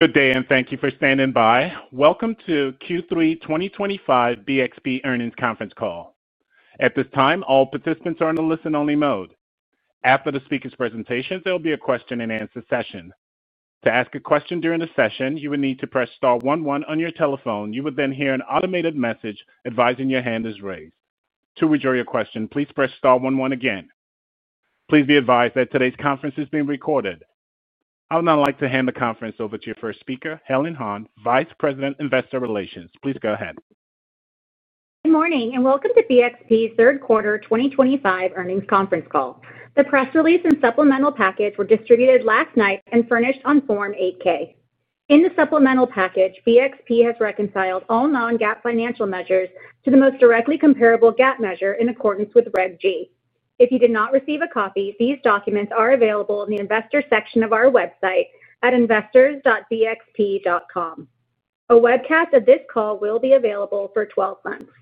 Good day and thank you for standing by. Welcome to Q3 2025 BXP earnings conference call. At this time, all participants are in a listen-only mode. After the speaker's presentation, there will be a question-and-answer session. To ask a question during the session, you will need to press star one one on your telephone. You will then hear an automated message advising your hand is raised. To withdraw your question, please press star one one again. Please be advised that today's conference is being recorded. I would now like to hand the conference over to your first speaker, Helen Han, Vice President, Investor Relations. Please go ahead. Good morning and welcome to BXP Inc.'s third quarter 2025 earnings conference call. The press release and supplemental package were distributed last night and furnished on Form 8-K. In the supplemental package, BXP Inc. has reconciled all non-GAAP financial measures to the most directly comparable GAAP measure in accordance with Reg G. If you did not receive a copy, these documents are available in the Investors section of our website at investors.bxp.com. A webcast of this call will be available for 12 months.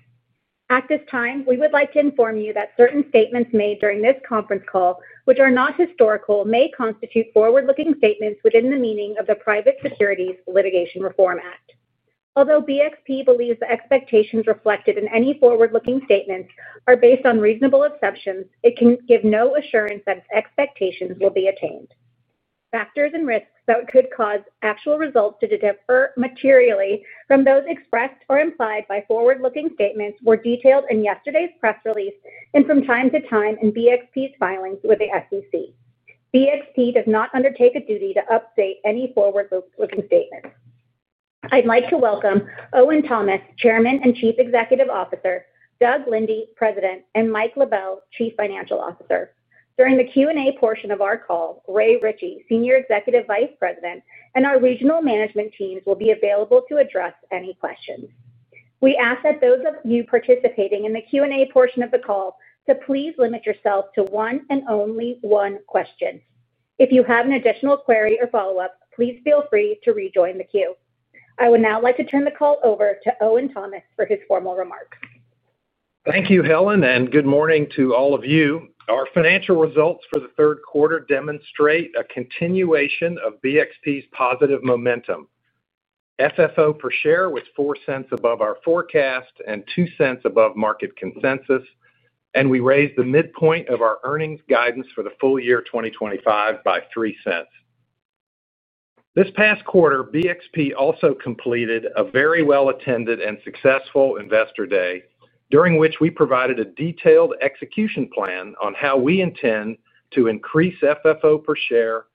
At this time, we would like to inform you that certain statements made during this conference call, which are not historical, may constitute forward-looking statements within the meaning of the Private Securities Litigation Reform Act. Although BXP Inc. believes the expectations reflected in any forward-looking statements are based on reasonable expectations, it can give no assurance that its expectations will be attained. Factors and risks that could cause actual results to differ materially from those expressed or implied by forward-looking statements were detailed in yesterday's press release and from time to time in BXP Inc.'s filings with the SEC. BXP Inc. does not undertake a duty to update any forward-looking statements. I'd like to welcome Owen Thomas, Chairman and Chief Executive Officer, Douglas T. Linde, President, and Michael E. LaBelle, Chief Financial Officer. During the Q&A portion of our call, Ray Ritchie, Senior Executive Vice President, and our regional management teams will be available to address any questions. We ask that those of you participating in the Q&A portion of the call please limit yourself to one and only one question. If you have an additional query or follow-up, please feel free to rejoin the queue. I would now like to turn the call over to Owen Thomas for his formal remarks. Thank you, Helen, and good morning to all of you. Our financial results for the third quarter demonstrate a continuation of BXP's positive momentum. FFO per share was $0.04 above our forecast and $0.02 above market consensus, and we raised the midpoint of our earnings guidance for the full year 2025 by $0.03. This past quarter, BXP also completed a very well-attended and successful Investor Day, during which we provided a detailed execution plan on how we intend to increase FFO per share,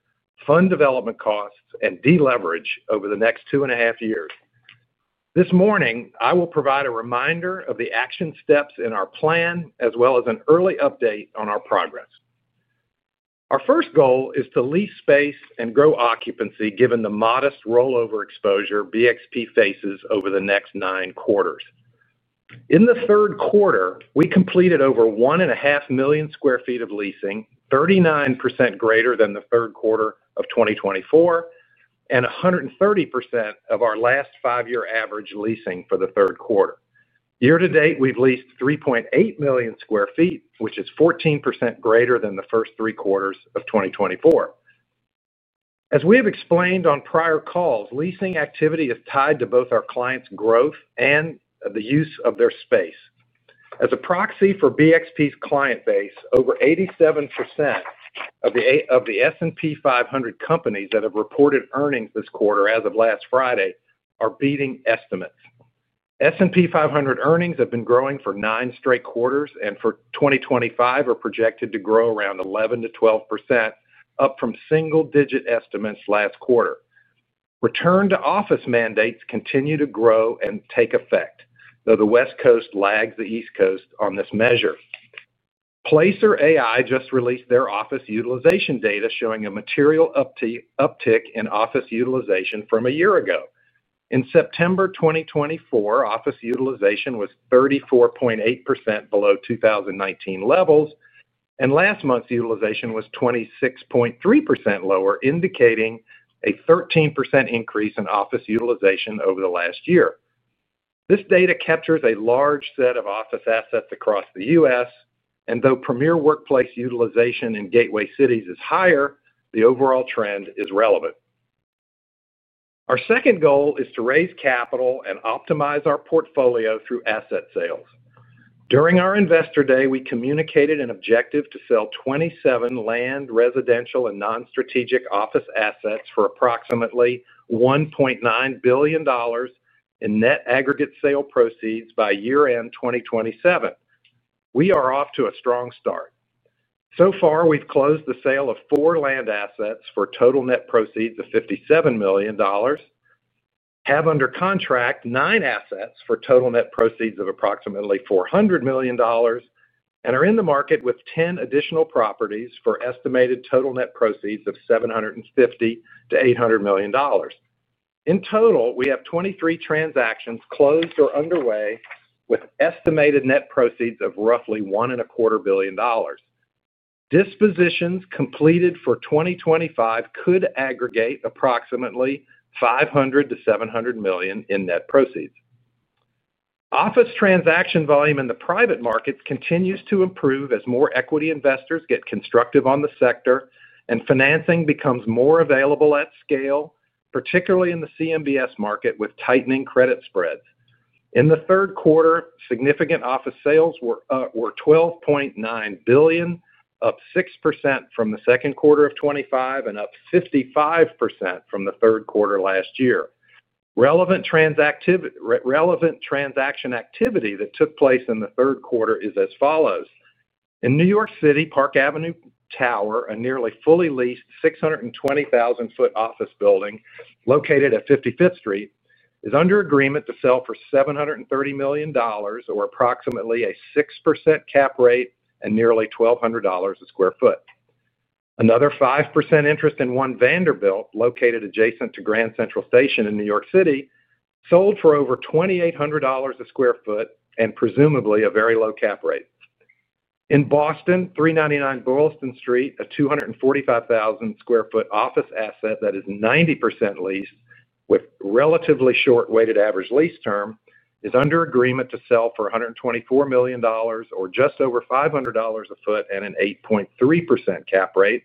fund development costs, and deleverage over the next two and a half years. This morning, I will provide a reminder of the action steps in our plan, as well as an early update on our progress. Our first goal is to lease space and grow occupancy given the modest rollover exposure BXP faces over the next nine quarters. In the third quarter, we completed over 1.5 million sq ft of leasing, 39% greater than the third quarter of 2024, and 130% of our last five-year average leasing for the third quarter. Year to date, we've leased 3.8 million sq ft, which is 14% greater than the first three quarters of 2024. As we have explained on prior calls, leasing activity is tied to both our clients' growth and the use of their space. As a proxy for BXP's client base, over 87% of the S&P 500 companies that have reported earnings this quarter as of last Friday are beating estimates. S&P 500 earnings have been growing for nine straight quarters, and for 2025, they are projected to grow around 11%-12%, up from single-digit estimates last quarter. Return to office mandates continue to grow and take effect, though the West Coast lags the East Coast on this measure. Placer AI just released their office utilization data showing a material uptick in office utilization from a year ago. In September 2024, office utilization was 34.8% below 2019 levels, and last month's utilization was 26.3% lower, indicating a 13% increase in office utilization over the last year. This data captures a large set of office assets across the U.S., and though premier workplace utilization in gateway cities is higher, the overall trend is relevant. Our second goal is to raise capital and optimize our portfolio through asset sales. During our Investor Day, we communicated an objective to sell 27 land, residential, and non-strategic office assets for approximately $1.9 billion in net aggregate sale proceeds by year-end 2027. We are off to a strong start. So far, we've closed the sale of four land assets for total net proceeds of $57 million, have under contract nine assets for total net proceeds of approximately $400 million, and are in the market with 10 additional properties for estimated total net proceeds of $750 million-$800 million. In total, we have 23 transactions closed or underway with estimated net proceeds of roughly $1.25 billion. Dispositions completed for 2025 could aggregate approximately $500 million-$700 million in net proceeds. Office transaction volume in the private markets continues to improve as more equity investors get constructive on the sector, and financing becomes more available at scale, particularly in the CMBS market with tightening credit spreads. In the third quarter, significant office sales were $12.9 billion, up 6% from the second quarter of 2025 and up 55% from the third quarter last year. Relevant transaction activity that took place in the third quarter is as follows. In New York, Park Avenue Tower, a nearly fully leased 620,000-foot office building located at 55th Street, is under agreement to sell for $730 million, or approximately a 6% cap rate and nearly $1,200 a square foot. Another 5% interest in One Vanderbilt, located adjacent to Grand Central Station in New York, sold for over $2,800 a square foot and presumably a very low cap rate. In Boston, 399 Boylston Street, a 245,000 sq ft office asset that is 90% leased with relatively short weighted average lease term, is under agreement to sell for $124 million, or just over $500 a foot and an 8.3% cap rate.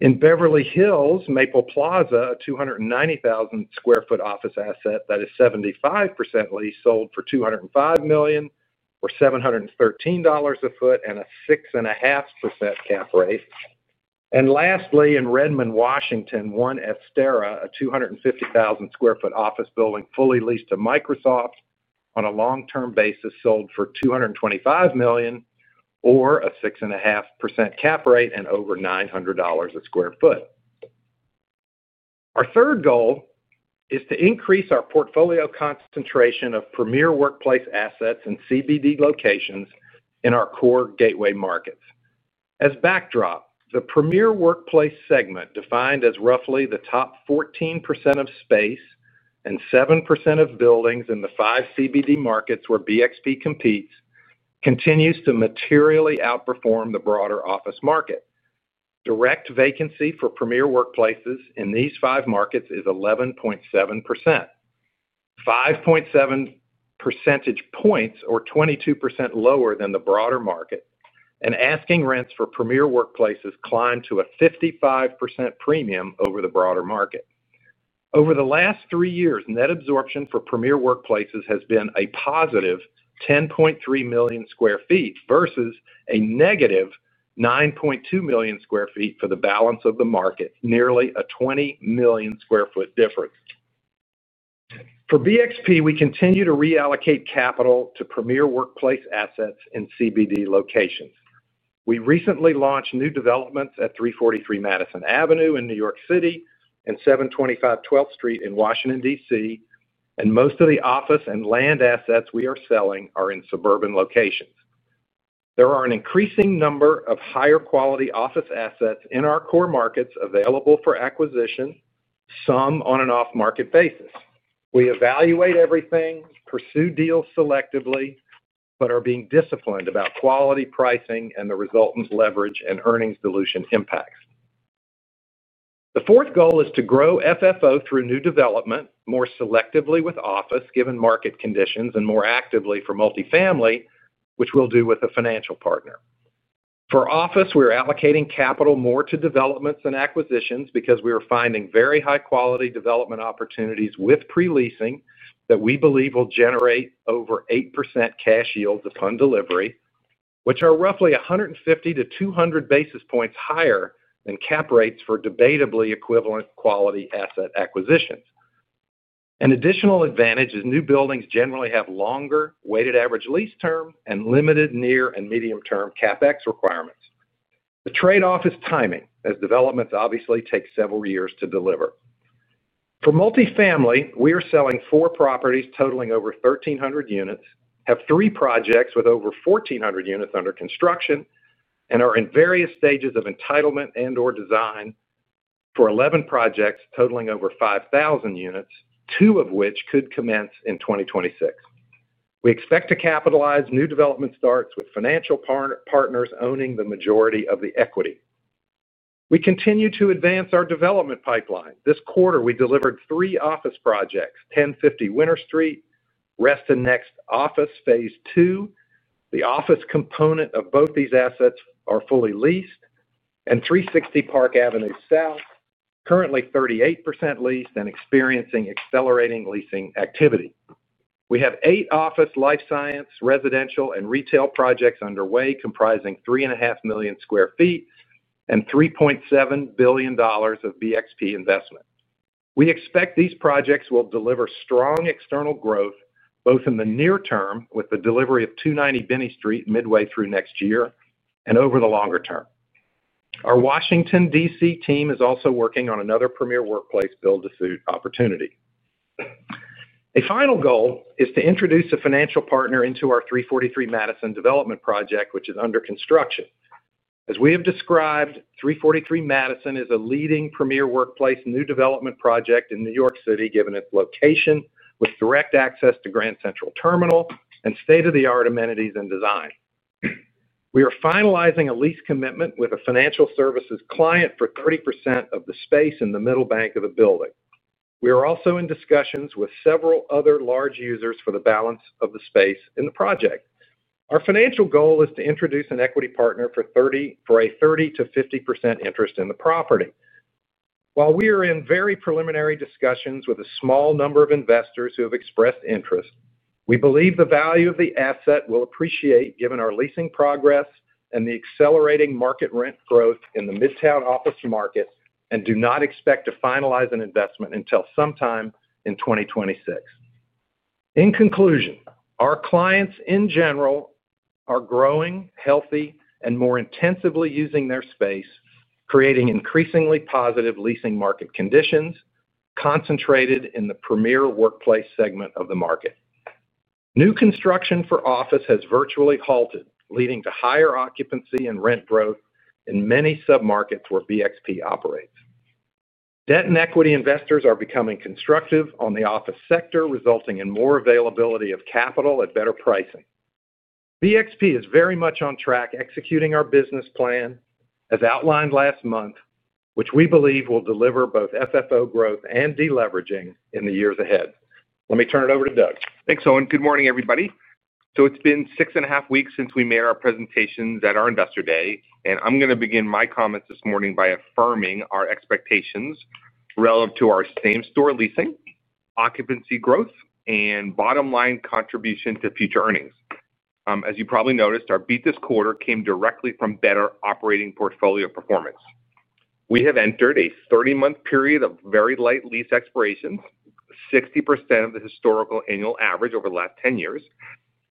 In Beverly Hills, Maple Plaza, a 290,000 sq ft office asset that is 75% leased, sold for $205 million, or $713 a foot and a 6.5% cap rate. Lastly, in Redmond, Washington, One Estera, a 250,000 sq ft office building fully leased to Microsoft on a long-term basis, sold for $225 million, or a 6.5% cap rate and over $900 a square foot. Our third goal is to increase our portfolio concentration of premier workplace assets in CBD locations in our core gateway markets. As backdrop, the premier workplace segment, defined as roughly the top 14% of space and 7% of buildings in the five CBD markets where BXP Inc. competes, continues to materially outperform the broader office market. Direct vacancy for premier workplaces in these five markets is 11.7%, 5.7 percentage points, or 22% lower than the broader market, and asking rents for premier workplaces climbed to a 55% premium over the broader market. Over the last three years, net absorption for premier workplaces has been a positive 10.3 million sq ft versus a negative 9.2 million sq ft for the balance of the market, nearly a 20 million sq ft difference. For BXP, we continue to reallocate capital to premier workplace assets in CBD locations. We recently launched new developments at 343 Madison Avenue in New York and 725 12th Street in Washington, DC, and most of the office and land assets we are selling are in suburban locations. There are an increasing number of higher quality office assets in our core markets available for acquisition, some on an off-market basis. We evaluate everything, pursue deals selectively, but are being disciplined about quality, pricing, and the resultant leverage and earnings dilution impacts. The fourth goal is to grow FFO through new development, more selectively with office given market conditions and more actively for multifamily, which we'll do with a financial partner. For office, we're allocating capital more to developments and acquisitions because we are finding very high quality development opportunities with pre-leasing that we believe will generate over 8% cash yields upon delivery, which are roughly 150-200 basis points higher than cap rates for debatably equivalent quality asset acquisitions. An additional advantage is new buildings generally have longer weighted average lease term and limited near and medium term CapEx requirements. The trade-off is timing as developments obviously take several years to deliver. For multifamily, we are selling four properties totaling over 1,300 units, have three projects with over 1,400 units under construction, and are in various stages of entitlement and/or design for 11 projects totaling over 5,000 units, two of which could commence in 2026. We expect to capitalize new development starts with financial partners owning the majority of the equity. We continue to advance our development pipeline. This quarter, we delivered three office projects: 1050 Winter Street, Reston Next Office Phase Two. The office component of both these assets are fully leased, and 360 Park Avenue South, currently 38% leased and experiencing accelerating leasing activity. We have eight office, life science, residential, and retail projects underway comprising 3.5 million sq ft and $3.7 billion of BXP investment. We expect these projects will deliver strong external growth both in the near term with the delivery of 290 Benny Street midway through next year and over the longer term. Our Washington, DC team is also working on another premier workplace build-to-suit opportunity. A final goal is to introduce a financial partner into our 343 Madison Avenue development project, which is under construction. As we have described, 343 Madison Avenue is a leading premier workplace new development project in New York given its location with direct access to Grand Central Terminal and state-of-the-art amenities and design. We are finalizing a lease commitment with a financial services client for 30% of the space in the middle bank of the building. We are also in discussions with several other large users for the balance of the space in the project. Our financial goal is to introduce an equity partner for a 30%-50% interest in the property. While we are in very preliminary discussions with a small number of investors who have expressed interest, we believe the value of the asset will appreciate given our leasing progress and the accelerating market rent growth in the Midtown office market and do not expect to finalize an investment until sometime in 2026. In conclusion, our clients in general are growing, healthy, and more intensively using their space, creating increasingly positive leasing market conditions concentrated in the premier workplace segment of the market. New construction for office has virtually halted, leading to higher occupancy and rent growth in many submarkets where BXP operates. Debt and equity investors are becoming constructive on the office sector, resulting in more availability of capital at better pricing. BXP is very much on track executing our business plan as outlined last month, which we believe will deliver both FFO growth and deleveraging in the years ahead. Let me turn it over to Doug. Thanks, Owen. Good morning, everybody. It's been six and a half weeks since we made our presentations at our Investor Day, and I'm going to begin my comments this morning by affirming our expectations relative to our same-store leasing, occupancy growth, and bottom-line contribution to future earnings. As you probably noticed, our beat this quarter came directly from better operating portfolio performance. We have entered a 30-month period of very light lease expirations, 60% of the historical annual average over the last 10 years,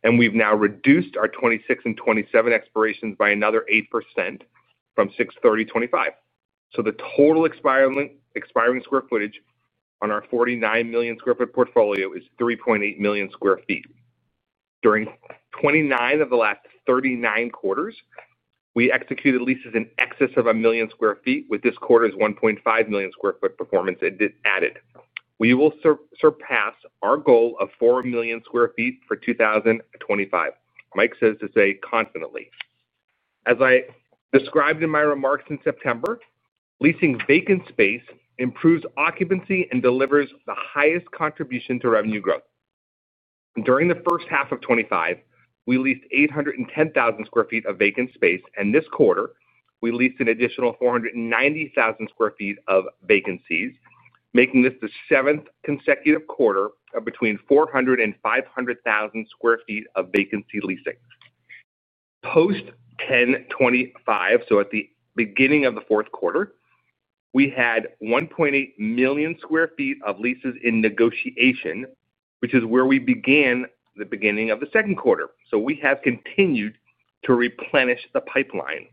and we've now reduced our 2026 and 2027 expirations by another 8% from 6/30/2025. The total expiring square footage on our 49 million sq ft portfolio is 3.8 million sq ft. During 29 of the last 39 quarters, we executed leases in excess of 1 million sq ft, with this quarter's 1.5 million sq ft performance added. We will surpass our goal of 4 million sq ft for 2025. Mike says to say confidently. As I described in my remarks in September, leasing vacant space improves occupancy and delivers the highest contribution to revenue growth. During the first half of 2025, we leased 810,000 sq ft of vacant space, and this quarter, we leased an additional 490,000 sq ft of vacancies, making this the seventh consecutive quarter of between 400,000 and 500,000 sq ft of vacancy leasing. Post 10/25, at the beginning of the fourth quarter, we had 1.8 million sq ft of leases in negotiation, which is where we began the beginning of the second quarter. We have continued to replenish the pipeline.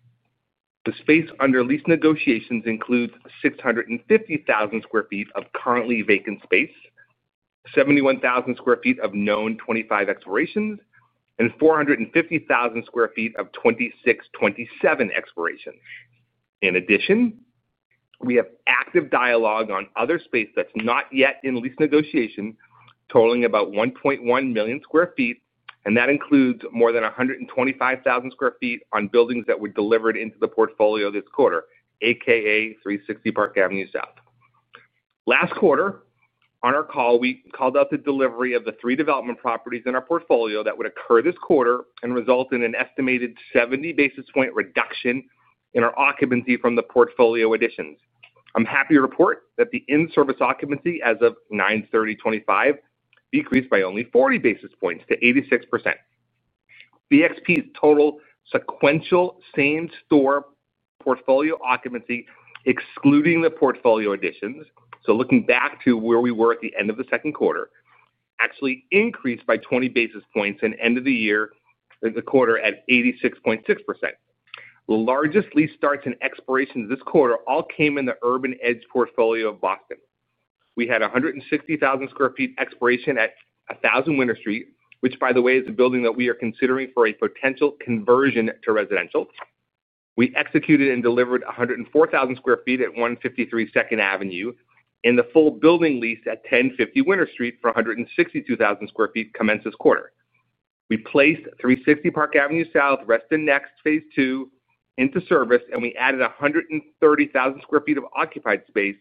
The space under lease negotiations includes 650,000 sq ft of currently vacant space, 71,000 sq ft of known 2025 expirations, and 450,000 sq ft of 2026-2027 expirations. In addition, we have active dialogue on other space that's not yet in lease negotiation, totaling about 1.1 million sq ft, and that includes more than 125,000 sq ft on buildings that were delivered into the portfolio this quarter, AKA 360 Park Avenue South. Last quarter, on our call, we called out the delivery of the three development properties in our portfolio that would occur this quarter and result in an estimated 70 basis point reduction in our occupancy from the portfolio additions. I'm happy to report that the in-service occupancy as of 9/30/2025 decreased by only 40 basis points to 86%. BXP's total sequential same-store portfolio occupancy, excluding the portfolio additions, so looking back to where we were at the end of the second quarter, actually increased by 20 basis points and ended the quarter at 86.6%. The largest lease starts and expirations this quarter all came in the urban edge portfolio of Boston. We had 160,000 sq ft expiration at 1000 Winter Street, which, by the way, is a building that we are considering for a potential conversion to residential. We executed and delivered 104,000 sq ft at 153 2nd Avenue, and the full building lease at 1050 Winter Street for 162,000 sq ft commenced this quarter. We placed 360 Park Avenue South, Reston Next Phase Two into service, and we added 130,000 sq ft of occupied space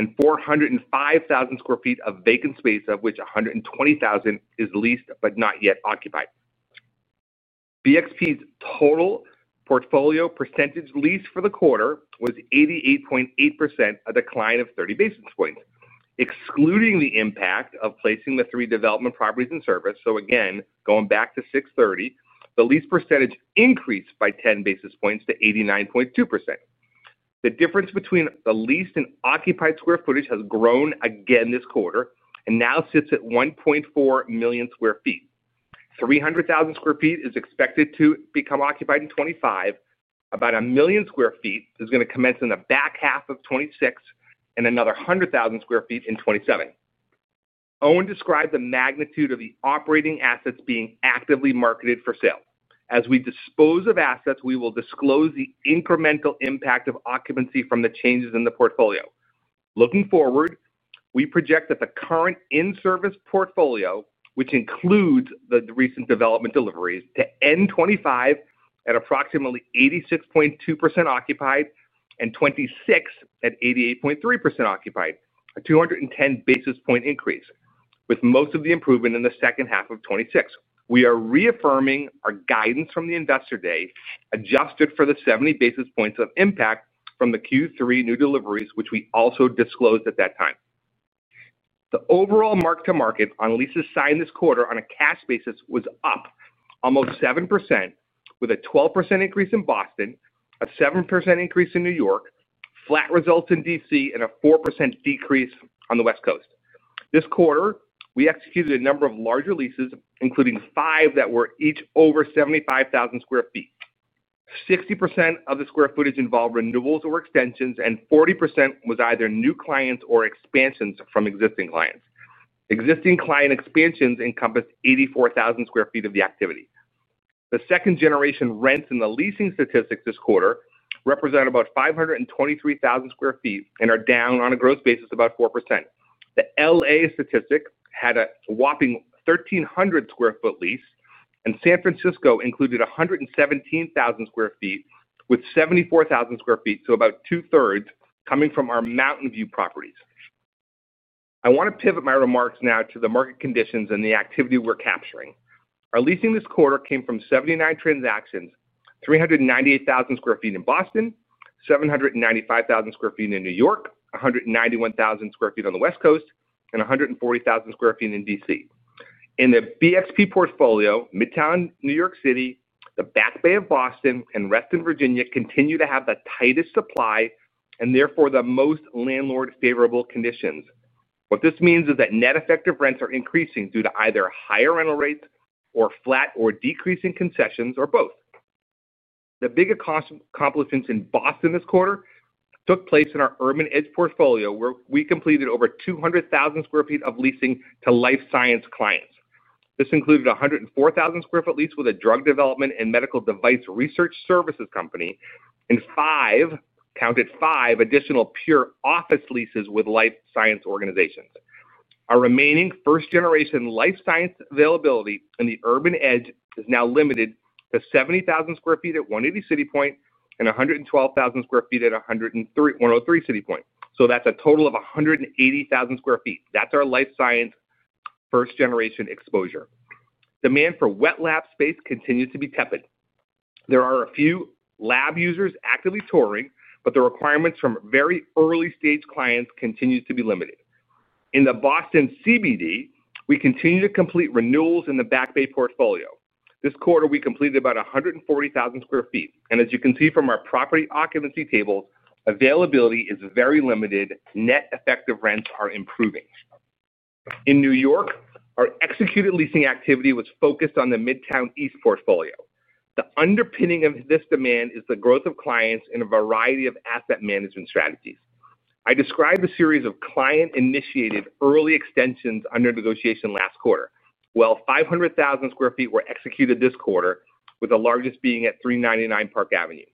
and 405,000 sq ft of vacant space, of which 120,000 is leased but not yet occupied. BXP's total portfolio percentage leased for the quarter was 88.8%, a decline of 30 basis points, excluding the impact of placing the three development properties in service. Again, going back to 6/30, the lease percentage increased by 10 basis points to 89.2%. The difference between the leased and occupied square footage has grown again this quarter and now sits at 1.4 million sq ft. 300,000 sq ft is expected to become occupied in 2025. About 1 million sq ft is going to commence in the back half of 2026, and another 100,000 sq ft in 2027. Owen described the magnitude of the operating assets being actively marketed for sale. As we dispose of assets, we will disclose the incremental impact of occupancy from the changes in the portfolio. Looking forward, we project that the current in-service portfolio, which includes the recent development deliveries, to end 2025 at approximately 86.2% occupied and 2026 at 88.3% occupied, a 210 basis point increase, with most of the improvement in the second half of 2026. We are reaffirming our guidance from the Investor Day, adjusted for the 70 basis points of impact from the Q3 new deliveries, which we also disclosed at that time. The overall mark-to-market on leases signed this quarter on a cash basis was up almost 7%, with a 12% increase in Boston, a 7% increase in New York, flat results in Washington, DC, and a 4% decrease on the West Coast. This quarter, we executed a number of larger leases, including five that were each over 75,000 sq ft. 60% of the square footage involved renewals or extensions, and 40% was either new clients or expansions from existing clients. Existing client expansions encompassed 84,000 sq ft of the activity. The second-generation rents in the leasing statistics this quarter represent about 523,000 sq ft and are down on a gross basis about 4%. The LA statistic had a whopping 1,300 sq ft lease, and San Francisco included 117,000 sq ft with 74,000 sq ft, so about two-thirds coming from our Mountain View properties. I want to pivot my remarks now to the market conditions and the activity we're capturing. Our leasing this quarter came from 79 transactions, 398,000 sq ft in Boston, 795,000 sq ft in New York, 191,000 sq ft on the West Coast, and 140,000 sq ft in DC. In the BXP portfolio, Midtown New York City, the Back Bay of Boston, and Reston, Virginia continue to have the tightest supply and therefore the most landlord-favorable conditions. What this means is that net effective rents are increasing due to either higher rental rates or flat or decreasing concessions or both. The biggest accomplishments in Boston this quarter took place in our urban edge portfolio, where we completed over 200,000 sq ft of leasing to life science clients. This included a 104,000 sq ft lease with a drug development and medical device research services company, and five, counted five, additional pure office leases with life science organizations. Our remaining first-generation life science availability in the urban edge is now limited to 70,000 sq ft at 180 City Point and 112,000 sq ft at 103 City Point. That's a total of 180,000 sq ft. That's our life science first-generation exposure. Demand for wet lab space continues to be tepid. There are a few lab users actively touring, but the requirements from very early-stage clients continue to be limited. In the Boston CBD, we continue to complete renewals in the Back Bay portfolio. This quarter, we completed about 140,000 sq ft, and as you can see from our property occupancy tables, availability is very limited. Net effective rents are improving. In New York, our executed leasing activity was focused on the Midtown East portfolio. The underpinning of this demand is the growth of clients in a variety of asset management strategies. I described a series of client-initiated early extensions under negotiation last quarter. 500,000 sq ft were executed this quarter, with the largest being at 399 Park Avenue.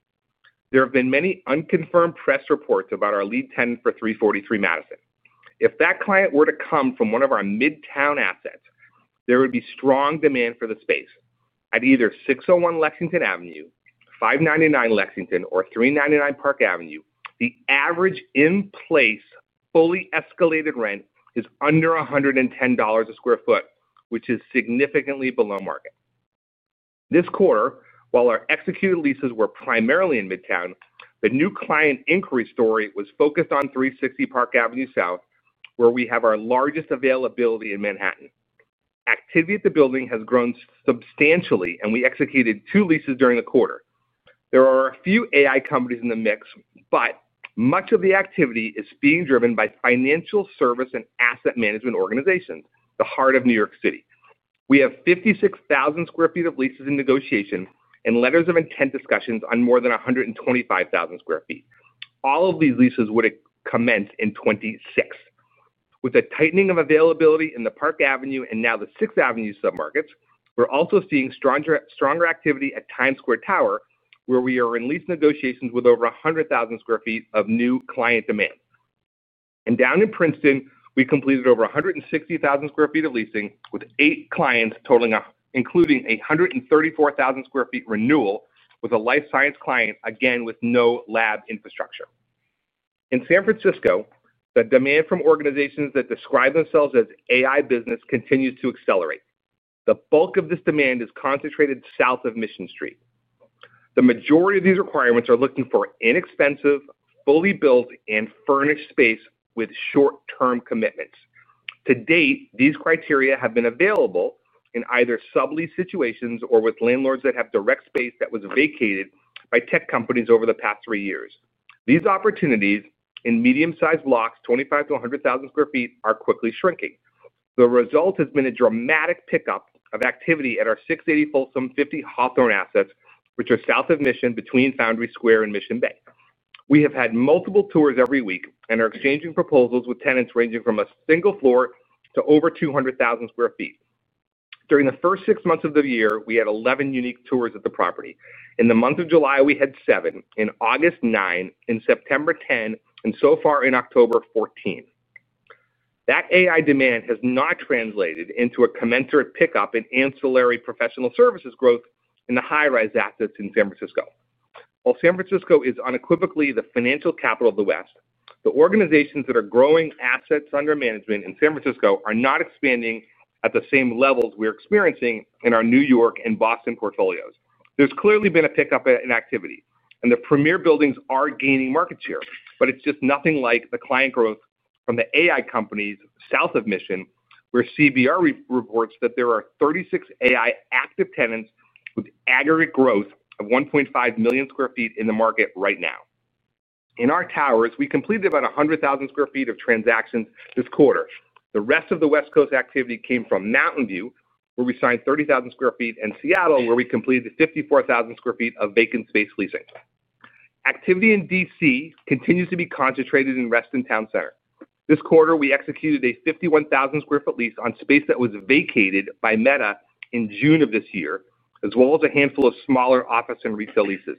There have been many unconfirmed press reports about our lead tenant for 343 Madison Avenue. If that client were to come from one of our Midtown assets, there would be strong demand for the space at either 601 Lexington Avenue, 599 Lexington Avenue, or 399 Park Avenue. The average in-place fully escalated rent is under $110 a square foot, which is significantly below market. This quarter, while our executed leases were primarily in Midtown, the new client inquiry story was focused on 360 Park Avenue South, where we have our largest availability in Manhattan. Activity at the building has grown substantially, and we executed two leases during the quarter. There are a few AI companies in the mix, but much of the activity is being driven by financial services and asset management organizations, the heart of New York City. We have 56,000 sq ft of leases in negotiation and letters of intent discussions on more than 125,000 sq ft. All of these leases would commence in 2026. With a tightening of availability in the Park Avenue and now the Sixth Avenue submarkets, we're also seeing stronger activity at Times Square Tower, where we are in lease negotiations with over 100,000 sq ft of new client demand. Down in Princeton, we completed over 160,000 sq ft of leasing with eight clients, including a 134,000 sq ft renewal with a life science client, again with no lab infrastructure. In San Francisco, the demand from organizations that describe themselves as AI business continues to accelerate. The bulk of this demand is concentrated south of Mission Street. The majority of these requirements are looking for inexpensive, fully built and furnished space with short-term commitments. To date, these criteria have been available in either sublease situations or with landlords that have direct space that was vacated by tech companies over the past three years. These opportunities in medium-sized blocks, 25,000 sq ft-100,000 sq ft, are quickly shrinking. The result has been a dramatic pickup of activity at our 680 Folsom and 50 Hawthorne assets, which are south of Mission between Foundry Square and Mission Bay. We have had multiple tours every week and are exchanging proposals with tenants ranging from a single floor to over 200,000 sq ft. During the first six months of the year, we had 11 unique tours at the property. In the month of July, we had seven, in August, nine, in September, ten, and so far in October, 14. That AI demand has not translated into a commensurate pickup in ancillary professional services growth in the high-rise assets in San Francisco. While San Francisco is unequivocally the financial capital of the West, the organizations that are growing assets under management in San Francisco are not expanding at the same levels we're experiencing in our New York and Boston portfolios. There's clearly been a pickup in activity, and the premier buildings are gaining market share, but it's just nothing like the client growth from the AI companies south of Mission, where CBR reports that there are 36 AI active tenants with aggregate growth of 1.5 million sq ft in the market right now. In our towers, we completed about 100,000 sq ft of transactions this quarter. The rest of the West Coast activity came from Mountain View, where we signed 30,000 sq ft, and Seattle, where we completed 54,000 sq ft of vacant space leasing. Activity in Washington, DC continues to be concentrated in Reston Town Center. This quarter, we executed a 51,000 sq ft lease on space that was vacated by Meta in June of this year, as well as a handful of smaller office and retail leases.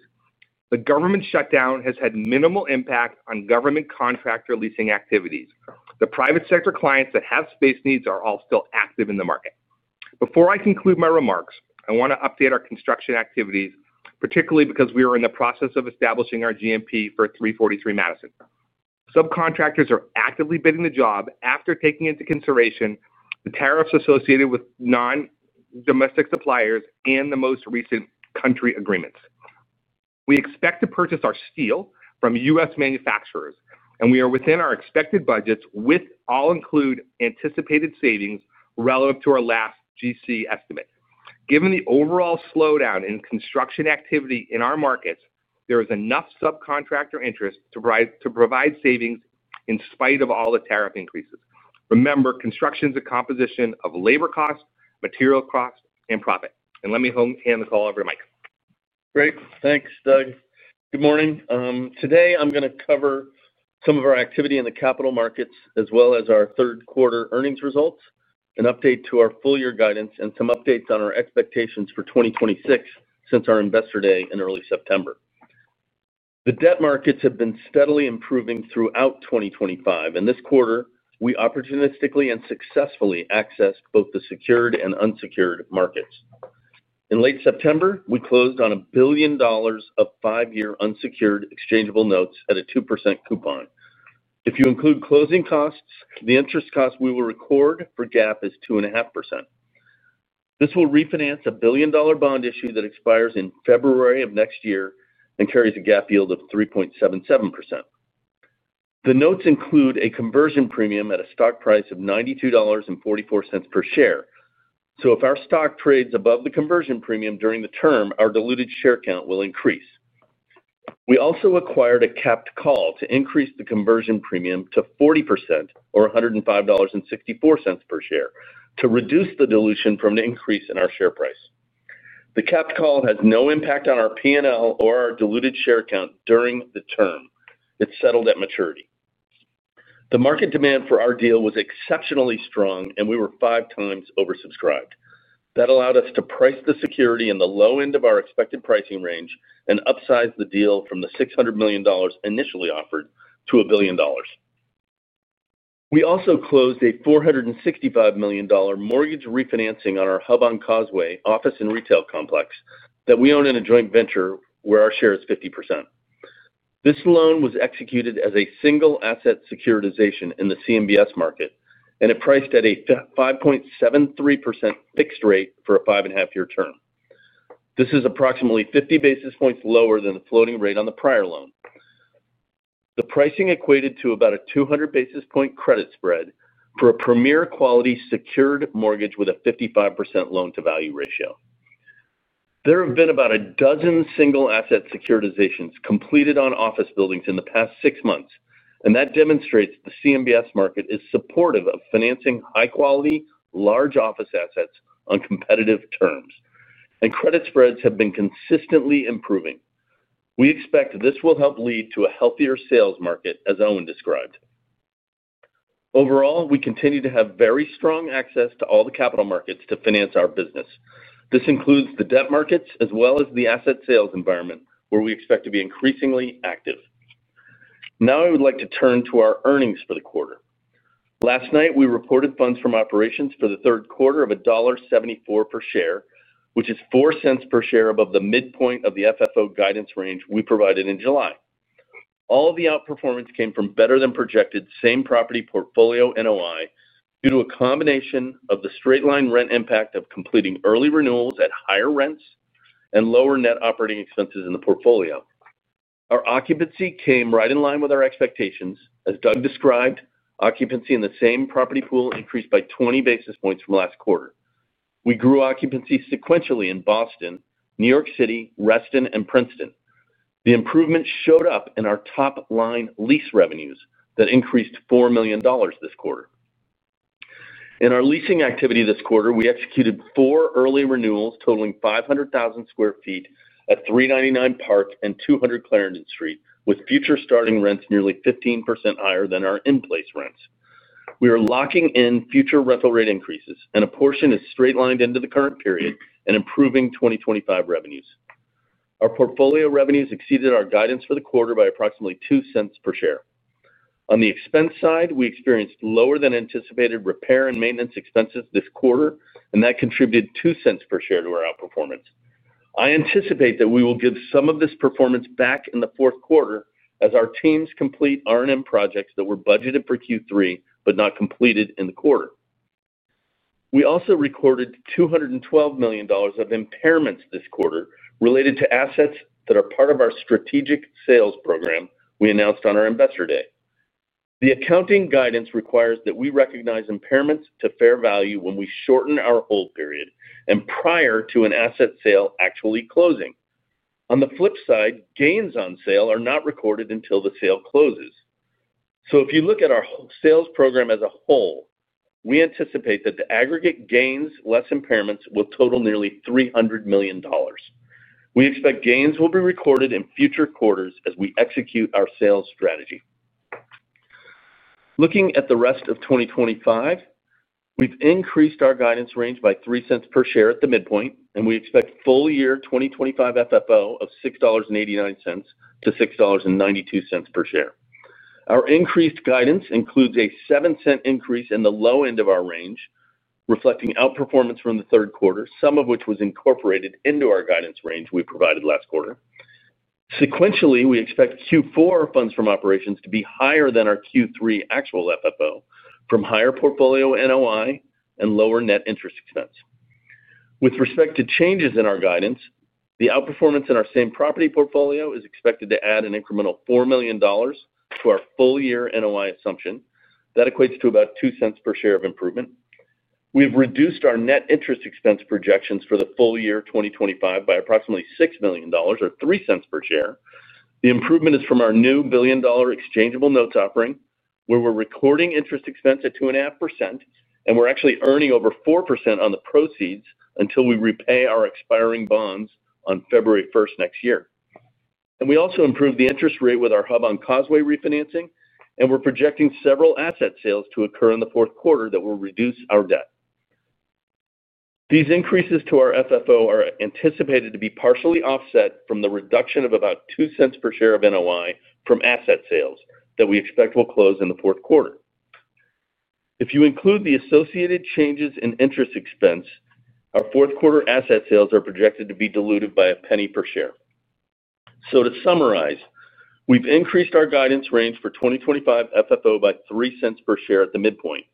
The government shutdown has had minimal impact on government contractor leasing activities. The private sector clients that have space needs are all still active in the market. Before I conclude my remarks, I want to update our construction activities, particularly because we are in the process of establishing our GMP for 343 Madison Avenue. Subcontractors are actively bidding the job after taking into consideration the tariffs associated with non-domestic suppliers and the most recent country agreements. We expect to purchase our steel from U.S. manufacturers, and we are within our expected budgets, with all-included anticipated savings relative to our last GC estimate. Given the overall slowdown in construction activity in our markets, there is enough subcontractor interest to provide savings in spite of all the tariff increases. Remember, construction is a composition of labor costs, material costs, and profit. Let me hand the call over to Mike. Great. Thanks, Doug. Good morning. Today, I'm going to cover some of our activity in the capital markets, as well as our third quarter earnings results, an update to our full-year guidance, and some updates on our expectations for 2026 since our Investor Day in early September. The debt markets have been steadily improving throughout 2023, and this quarter, we opportunistically and successfully accessed both the secured and unsecured markets. In late September, we closed on $1 billion of five-year unsecured exchangeable notes at a 2% coupon. If you include closing costs, the interest cost we will record for GAAP is 2.5%. This will refinance a $1 billion bond issue that expires in February of next year and carries a GAAP yield of 3.77%. The notes include a conversion premium at a stock price of $92.44 per share. If our stock trades above the conversion premium during the term, our diluted share count will increase. We also acquired a capped call to increase the conversion premium to 40% or $105.64 per share to reduce the dilution from an increase in our share price. The capped call has no impact on our P&L or our diluted share count during the term. It is settled at maturity. The market demand for our deal was exceptionally strong, and we were five times oversubscribed. That allowed us to price the security at the low end of our expected pricing range and upsize the deal from the $600 million initially offered to $1 billion. We also closed a $465 million mortgage refinancing on our Hubbond Causeway office and retail complex that we own in a joint venture where our share is 50%. This loan was executed as a single asset securitization in the CMBS market, and it priced at a 5.73% fixed rate for a five-and-a-half-year term. This is approximately 50 basis points lower than the floating rate on the prior loan. The pricing equated to about a 200 basis point credit spread for a premier quality secured mortgage with a 55% loan-to-value ratio. There have been about a dozen single asset securitizations completed on office buildings in the past six months, and that demonstrates the CMBS market is supportive of financing high-quality, large office assets on competitive terms, and credit spreads have been consistently improving. We expect this will help lead to a healthier sales market, as Owen described. Overall, we continue to have very strong access to all the capital markets to finance our business. This includes the debt markets as well as the asset sales environment, where we expect to be increasingly active. Now I would like to turn to our earnings for the quarter. Last night, we reported funds from operations for the third quarter of $1.74 per share, which is $0.04 per share above the midpoint of the FFO guidance range we provided in July. All of the outperformance came from better-than-projected same-property portfolio NOI due to a combination of the straight-line rent impact of completing early renewals at higher rents and lower net operating expenses in the portfolio. Our occupancy came right in line with our expectations. As Doug described, occupancy in the same property pool increased by 20 basis points from last quarter. We grew occupancy sequentially in Boston, New York, Reston, and Princeton. The improvement showed up in our top-line lease revenues that increased $4 million this quarter. In our leasing activity this quarter, we executed four early renewals totaling 500,000 sq ft at 399 Park and 200 Clarendon Street, with future starting rents nearly 15% higher than our in-place rents. We are locking in future rental rate increases, and a portion is straight-lined into the current period and improving 2025 revenues. Our portfolio revenues exceeded our guidance for the quarter by approximately $0.02 per share. On the expense side, we experienced lower-than-anticipated repair and maintenance expenses this quarter, and that contributed $0.02 per share to our outperformance. I anticipate that we will give some of this performance back in the fourth quarter as our teams complete R&M projects that were budgeted for Q3 but not completed in the quarter. We also recorded $212 million of impairments this quarter related to assets that are part of our strategic sales program we announced on our Investor Day. The accounting guidance requires that we recognize impairments to fair value when we shorten our hold period and prior to an asset sale actually closing. On the flip side, gains on sale are not recorded until the sale closes. If you look at our sales program as a whole, we anticipate that the aggregate gains, less impairments, will total nearly $300 million. We expect gains will be recorded in future quarters as we execute our sales strategy. Looking at the rest of 2025, we've increased our guidance range by $0.03 per share at the midpoint, and we expect full-year 2025 FFO of $6.89-$6.92 per share. Our increased guidance includes a $0.07 increase in the low end of our range, reflecting outperformance from the third quarter, some of which was incorporated into our guidance range we provided last quarter. Sequentially, we expect Q4 funds from operations to be higher than our Q3 actual FFO from higher portfolio NOI and lower net interest expense. With respect to changes in our guidance, the outperformance in our same-property portfolio is expected to add an incremental $4 million to our full-year NOI assumption. That equates to about $0.02 per share of improvement. We've reduced our net interest expense projections for the full year 2025 by approximately $6 million or $0.03 per share. The improvement is from our new $1 billion exchangeable notes offering, where we're recording interest expense at 2.5%, and we're actually earning over 4% on the proceeds until we repay our expiring bonds on February 1st next year. We also improved the interest rate with our Hubbond Causeway refinancing, and we're projecting several asset sales to occur in the fourth quarter that will reduce our debt. These increases to our FFO are anticipated to be partially offset from the reduction of about $0.02 per share of NOI from asset sales that we expect will close in the fourth quarter. If you include the associated changes in interest expense, our fourth quarter asset sales are projected to be diluted by a penny per share. To summarize, we've increased our guidance range for 2025 FFO by $0.03 per share at the midpoint,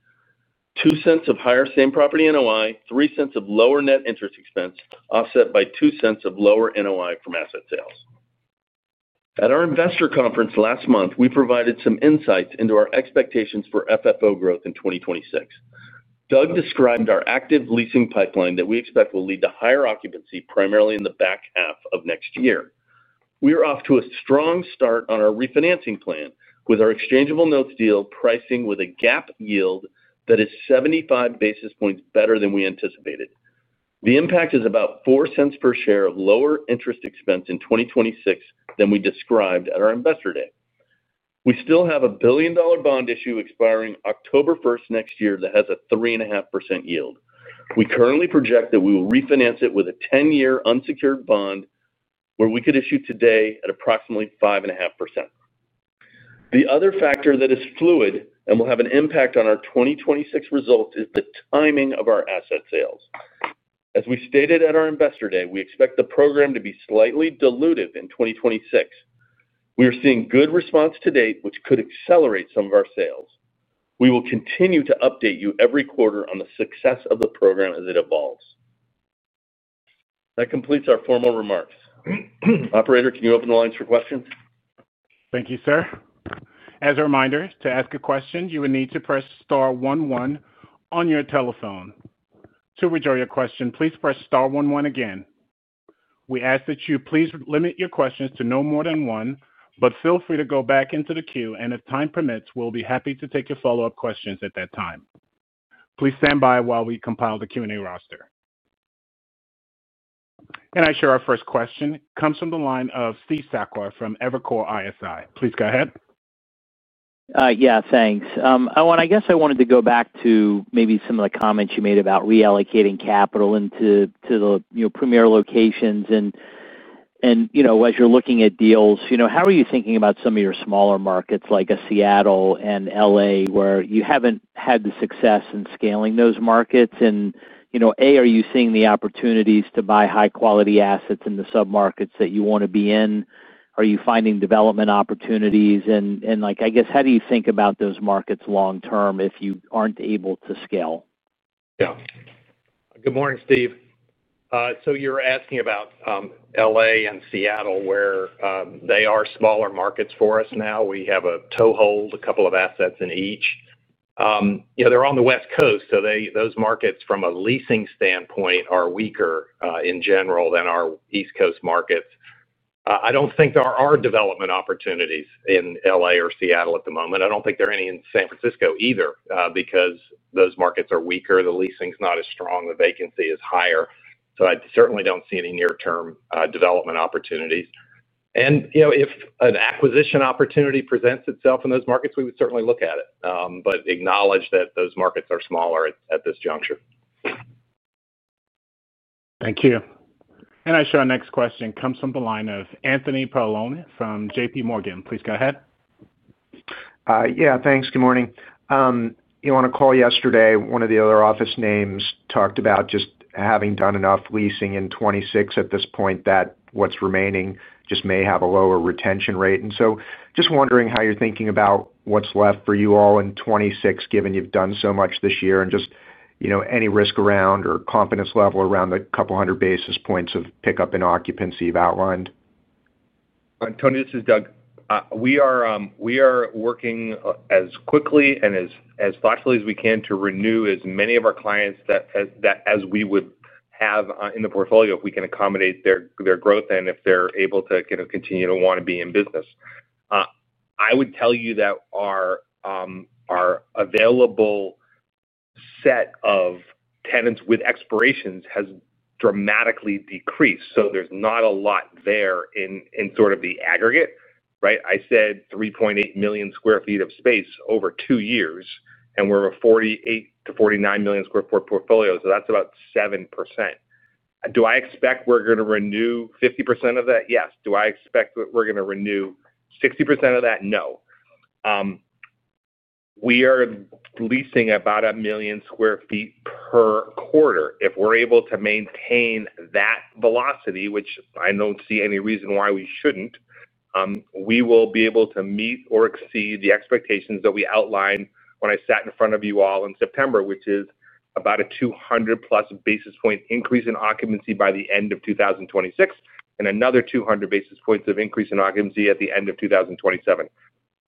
$0.02 of higher same-property NOI, $0.03 of lower net interest expense offset by $0.02 of lower NOI from asset sales. At our Investor Conference last month, we provided some insights into our expectations for FFO growth in 2026. Doug described our active leasing pipeline that we expect will lead to higher occupancy primarily in the back half of next year. We are off to a strong start on our refinancing plan with our exchangeable notes deal pricing with a GAAP yield that is 75 basis points better than we anticipated. The impact is about $0.04 per share of lower interest expense in 2026 than we described at our Investor Day. We still have a $1 billion bond issue expiring October 1st next year that has a 3.5% yield. We currently project that we will refinance it with a 10-year unsecured bond where we could issue today at approximately 5.5%. The other factor that is fluid and will have an impact on our 2026 results is the timing of our asset sales. As we stated at our Investor Day, we expect the program to be slightly dilutive in 2026. We are seeing good response to date, which could accelerate some of our sales. We will continue to update you every quarter on the success of the program as it evolves. That completes our formal remarks. Operator, can you open the lines for questions? Thank you, sir. As a reminder, to ask a question, you will need to press star one one on your telephone. To rejoin your question, please press star one one again. We ask that you please limit your questions to no more than one, but feel free to go back into the queue, and if time permits, we'll be happy to take your follow-up questions at that time. Please stand by while we compile the Q&A roster. I share our first question. It comes from the line of Steve Sakwa from Evercore ISI. Please go ahead. Yeah, thanks. Owen, I guess I wanted to go back to maybe some of the comments you made about reallocating capital into the premier locations. As you're looking at deals, how are you thinking about some of your smaller markets like a Seattle and LA, where you haven't had the success in scaling those markets? Are you seeing the opportunities to buy high-quality assets in the submarkets that you want to be in? Are you finding development opportunities? How do you think about those markets long-term if you aren't able to scale? Yeah. Good morning, Steve. You're asking about LA and Seattle, where they are smaller markets for us now. We have a toehold, a couple of assets in each. You know, they're on the West Coast, so those markets from a leasing standpoint are weaker in general than our East Coast markets. I don't think there are development opportunities in LA or Seattle at the moment. I don't think there are any in San Francisco either because those markets are weaker. The leasing is not as strong. The vacancy is higher. I certainly don't see any near-term development opportunities. If an acquisition opportunity presents itself in those markets, we would certainly look at it, but acknowledge that those markets are smaller at this juncture. Thank you. I show our next question comes from the line of Anthony Paolone from JPMorgan Chase & Co. Please go ahead. Yeah, thanks. Good morning. On a call yesterday, one of the other office names talked about just having done enough leasing in 2026 at this point that what's remaining just may have a lower retention rate. I'm just wondering how you're thinking about what's left for you all in 2026, given you've done so much this year, and any risk around or confidence level around the couple hundred basis points of pickup in occupancy you've outlined. Tony, this is Doug. We are working as quickly and as thoughtfully as we can to renew as many of our clients as we would have in the portfolio if we can accommodate their growth and if they're able to continue to want to be in business. I would tell you that our available set of tenants with expirations has dramatically decreased. There's not a lot there in the aggregate, right? I said 3.8 million sq ft of space over two years, and we're a 48-49 million sq ft portfolio. That's about 7%. Do I expect we're going to renew 50% of that? Yes. Do I expect that we're going to renew 60% of that? No. We are leasing about 1 million sq ft per quarter. If we're able to maintain that velocity, which I don't see any reason why we shouldn't, we will be able to meet or exceed the expectations that we outlined when I sat in front of you all in September, which is about a 200+ basis point increase in occupancy by the end of 2026 and another 200 basis points of increase in occupancy at the end of 2027.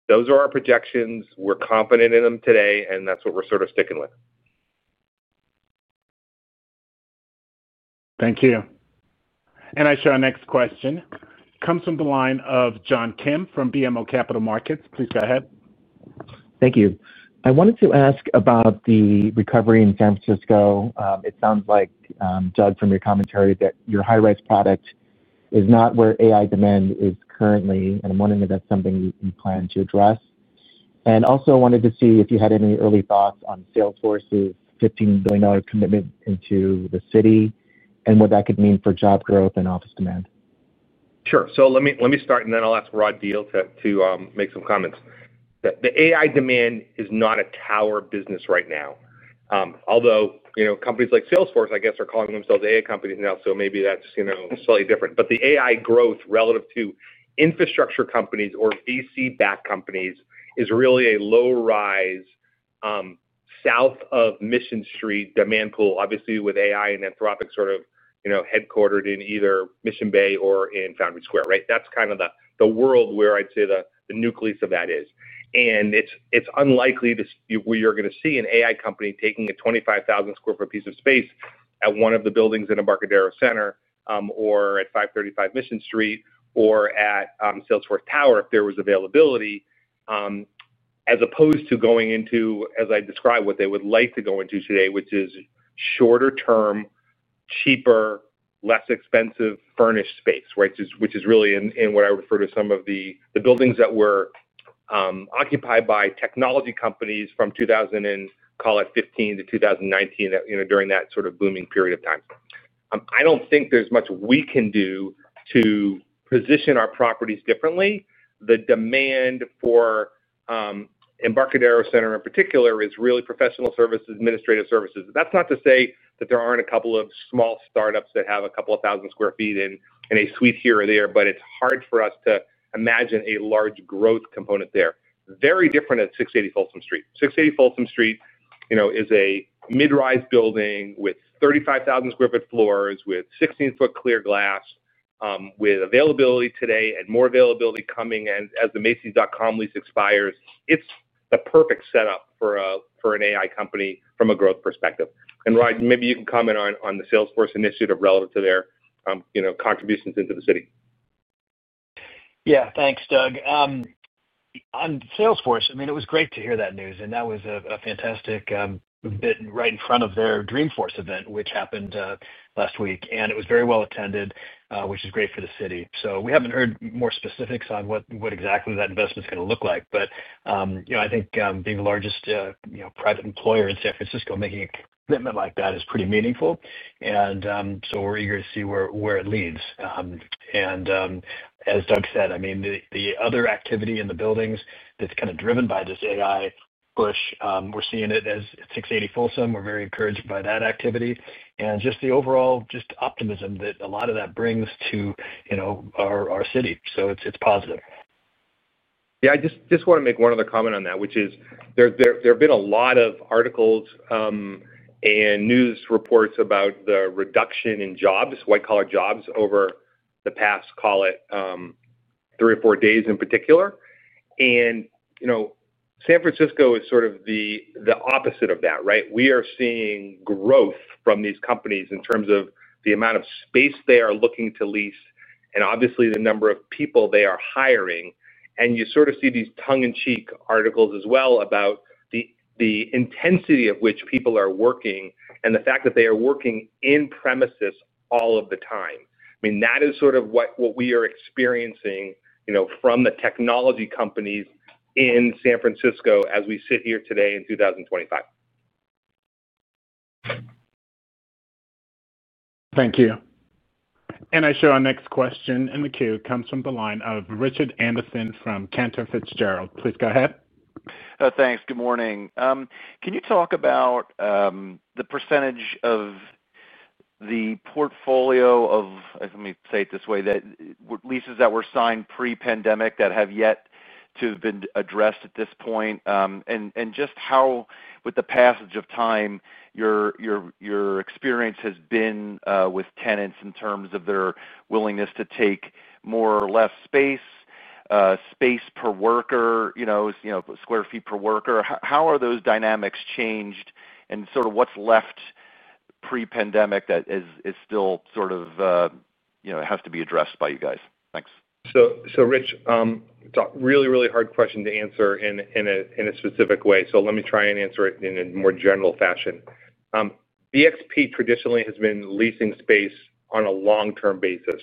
Those are our projections. We're confident in them today, and that's what we're sticking with. Thank you. I show our next question comes from the line of John P. Kim from BMO Capital Markets. Please go ahead. Thank you. I wanted to ask about the recovery in San Francisco. It sounds like, Doug, from your commentary that your high-rise product is not where AI demand is currently, and I'm wondering if that's something you plan to address. I also wanted to see if you had any early thoughts on Salesforce's $15 billion commitment into the city and what that could mean for job growth and office demand. Sure. Let me start, and then I'll ask Rod Diehl to make some comments. The AI demand is not a tower business right now. Although, you know, companies like Salesforce, I guess, are calling themselves AI companies now, so maybe that's slightly different. The AI growth relative to infrastructure companies or VC-backed companies is really a low-rise south of Mission Street demand pool, obviously with AI and Anthropic sort of headquartered in either Mission Bay or in Foundry Square, right? That's kind of the world where I'd say the nucleus of that is. It's unlikely that we are going to see an AI company taking a 25,000 sq ft piece of space at one of the buildings in Embarcadero Center or at 535 Mission Street or at Salesforce Tower if there was availability, as opposed to going into, as I described, what they would like to go into today, which is shorter-term, cheaper, less expensive furnished space, which is really in what I refer to as some of the buildings that were occupied by technology companies from, call it, 2015 to 2019 during that sort of booming period of time. I don't think there's much we can do to position our properties differently. The demand for Embarcadero Center in particular is really professional services, administrative services. That's not to say that there aren't a couple of small startups that have a couple of thousand sq ft in a suite here or there, but it's hard for us to imagine a large growth component there. Very different at 680 Folsom Street. 680 Folsom Street is a mid-rise building with 35,000 sq ft floors, with 16-foot clear glass, with availability today and more availability coming. As the Macys.com lease expires, it's the perfect setup for an AI company from a growth perspective. Rod, maybe you can comment on the Salesforce initiative relative to their contributions into the city. Yeah, thanks, Doug. On Salesforce, it was great to hear that news, and that was a fantastic bit right in front of their Dreamforce event, which happened last week. It was very well attended, which is great for the city. We haven't heard more specifics on what exactly that investment is going to look like, but I think being the largest private employer in San Francisco making a commitment like that is pretty meaningful. We're eager to see where it leads. As Doug said, the other activity in the buildings that's kind of driven by this AI push, we're seeing it at 680 Folsom. We're very encouraged by that activity and just the overall optimism that a lot of that brings to our city. It's positive. Yeah, I just want to make one other comment on that, which is there have been a lot of articles and news reports about the reduction in jobs, white-collar jobs, over the past, call it, three or four days in particular. You know San Francisco is sort of the opposite of that, right? We are seeing growth from these companies in terms of the amount of space they are looking to lease and obviously the number of people they are hiring. You sort of see these tongue-in-cheek articles as well about the intensity of which people are working and the fact that they are working in-premises all of the time. That is sort of what we are experiencing from the technology companies in San Francisco as we sit here today in 2025. Thank you. I show our next question in the queue. It comes from the line of Richard Anderson from Cantor Fitzgerald. Please go ahead. Thanks. Good morning. Can you talk about the percentage of the portfolio, let me say it this way, the leases that were signed pre-pandemic that have yet to have been addressed at this point? Just how, with the passage of time, your experience has been with tenants in terms of their willingness to take more or less space, space per worker, you know, sq ft per worker. How have those dynamics changed? What's left pre-pandemic that still has to be addressed by you guys? Thanks. Rich, it's a really, really hard question to answer in a specific way. Let me try and answer it in a more general fashion. BXP traditionally has been leasing space on a long-term basis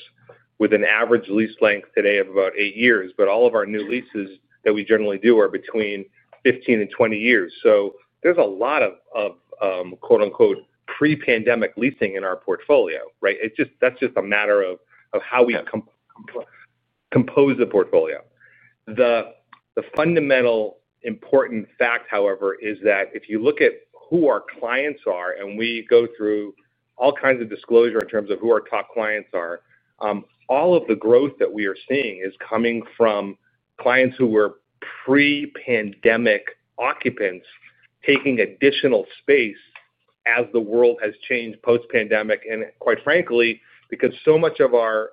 with an average lease length today of about eight years, but all of our new leases that we generally do are between 15 and 20 years. There is a lot of, quote-unquote, "pre-pandemic leasing" in our portfolio, right? That's just a matter of how we compose the portfolio. The fundamental important fact, however, is that if you look at who our clients are, and we go through all kinds of disclosure in terms of who our top clients are, all of the growth that we are seeing is coming from clients who were pre-pandemic occupants taking additional space as the world has changed post-pandemic. Quite frankly, because so much of our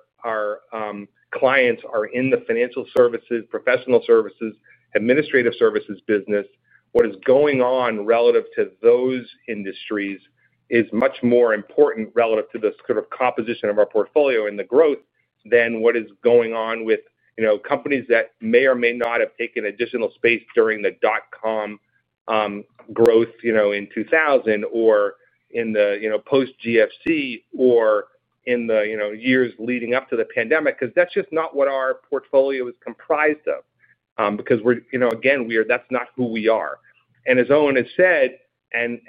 clients are in the financial services, professional services, administrative services business, what is going on relative to those industries is much more important relative to the sort of composition of our portfolio and the growth than what is going on with companies that may or may not have taken additional space during the dot-com growth in 2000 or in the post-GFC or in the years leading up to the pandemic, because that's just not what our portfolio is comprised of. Again, that's not who we are. As Owen has said, and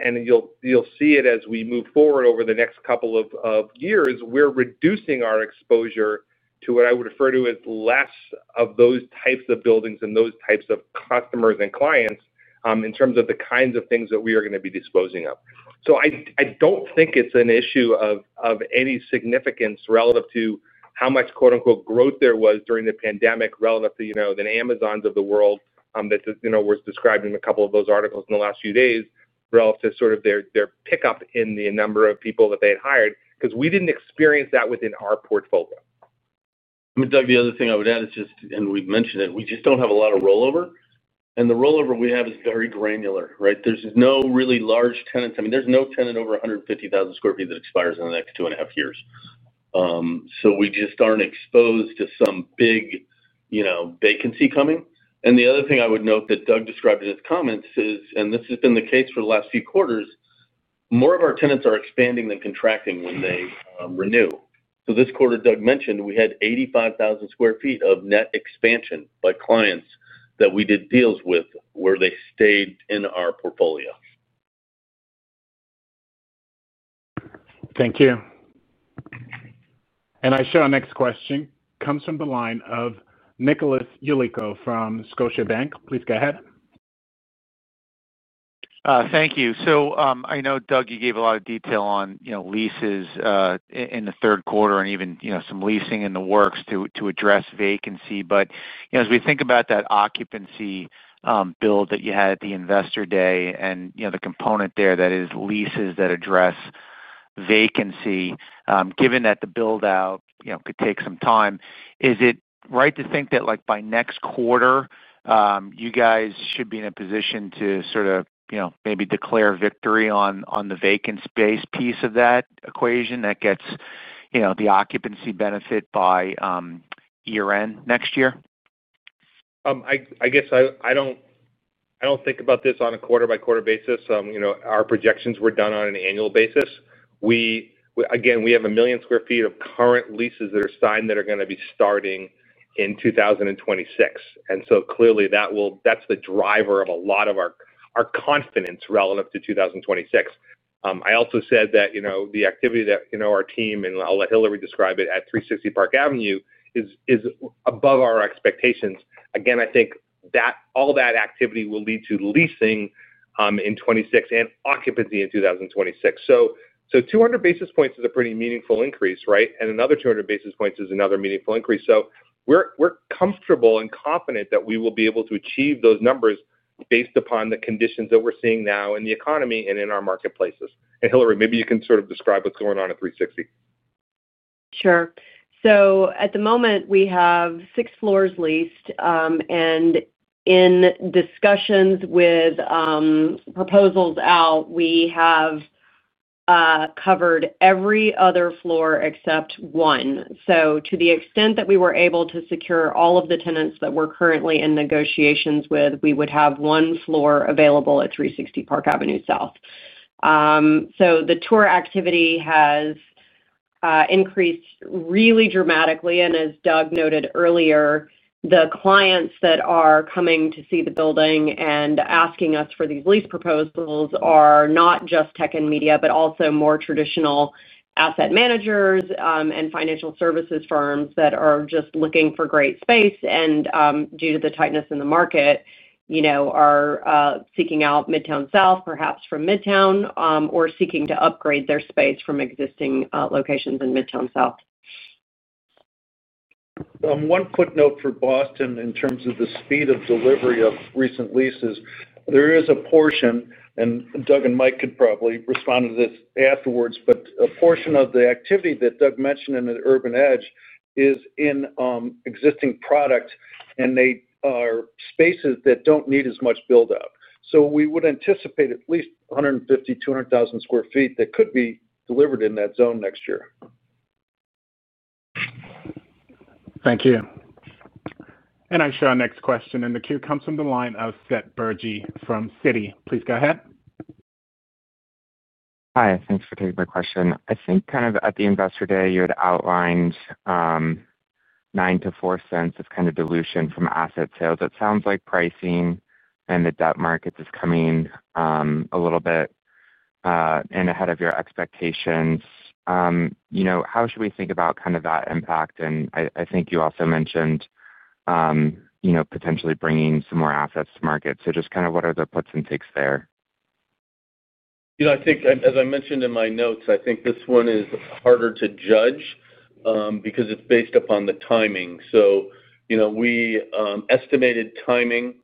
you'll see it as we move forward over the next couple of years, we're reducing our exposure to what I would refer to as less of those types of buildings and those types of customers and clients in terms of the kinds of things that we are going to be disposing of. I don't think it's an issue of any significance relative to how much, quote-unquote, "growth" there was during the pandemic relative to the Amazons of the world that was described in a couple of those articles in the last few days relative to sort of their pickup in the number of people that they had hired, because we didn't experience that within our portfolio. I mean, Doug, the other thing I would add is just, and we've mentioned it, we just don't have a lot of rollover. The rollover we have is very granular, right? There's no really large tenants. There's no tenant over 150,000 sq ft that expires in the next two and a half years. We just aren't exposed to some big vacancy coming. The other thing I would note that Doug described in his comments is, and this has been the case for the last few quarters, more of our tenants are expanding than contracting when they renew. This quarter, Doug mentioned, we had 85,000 sq ft of net expansion by clients that we did deals with where they stayed in our portfolio. Thank you. I show our next question comes from the line of Nicholas Philip Yulico from Scotiabank. Please go ahead. Thank you. I know, Doug, you gave a lot of detail on leases in the third quarter and even some leasing in the works to address vacancy. As we think about that occupancy build that you had at the Investor Day and the component there that is leases that address vacancy, given that the build-out could take some time, is it right to think that by next quarter you guys should be in a position to sort of maybe declare victory on the vacant space piece of that equation that gets the occupancy benefit by year-end next year? I guess I don't think about this on a quarter-by-quarter basis. Our projections were done on an annual basis. Again, we have a million sq ft of current leases that are signed that are going to be starting in 2026, and clearly, that's the driver of a lot of our confidence relative to 2026. I also said that the activity that our team and Owen Thomas described at 360 Park Avenue is above our expectations. I think all that activity will lead to leasing in 2026 and occupancy in 2026. 200 basis points is a pretty meaningful increase, right? Another 200 basis points is another meaningful increase. We're comfortable and confident that we will be able to achieve those numbers based upon the conditions that we're seeing now in the economy and in our marketplaces. Hilary, maybe you can sort of describe what's going on at 360. Sure. At the moment, we have six floors leased. In discussions with proposals out, we have covered every other floor except one. To the extent that we were able to secure all of the tenants that we're currently in negotiations with, we would have one floor available at 360 Park Avenue South. The tour activity has increased really dramatically. As Doug noted earlier, the clients that are coming to see the building and asking us for these lease proposals are not just tech and media, but also more traditional asset managers and financial services firms that are just looking for great space. Due to the tightness in the market, you know, are seeking out Midtown South, perhaps from Midtown, or seeking to upgrade their space from existing locations in Midtown South. One quick note for Boston in terms of the speed of delivery of recent leases. There is a portion, and Doug and Mike could probably respond to this afterwards, but a portion of the activity that Doug mentioned in the urban edge is in existing products, and they are spaces that don't need as much build-out. We would anticipate at least 150,000 sq ft-200,000 sq ft that could be delivered in that zone next year. Thank you. I show our next question in the queue. It comes from the line of Seth Berge from Citi. Please go ahead. Hi. Thanks for taking my question. I think at the Investor Day, you had outlined $0.09-$0.04 of dilution from asset sales. It sounds like pricing and the debt markets are coming a little bit ahead of your expectations. How should we think about that impact? I think you also mentioned potentially bringing some more assets to market. Just what are the puts and takes there? I think, as I mentioned in my notes, this one is harder to judge because it's based upon the timing. We estimated timing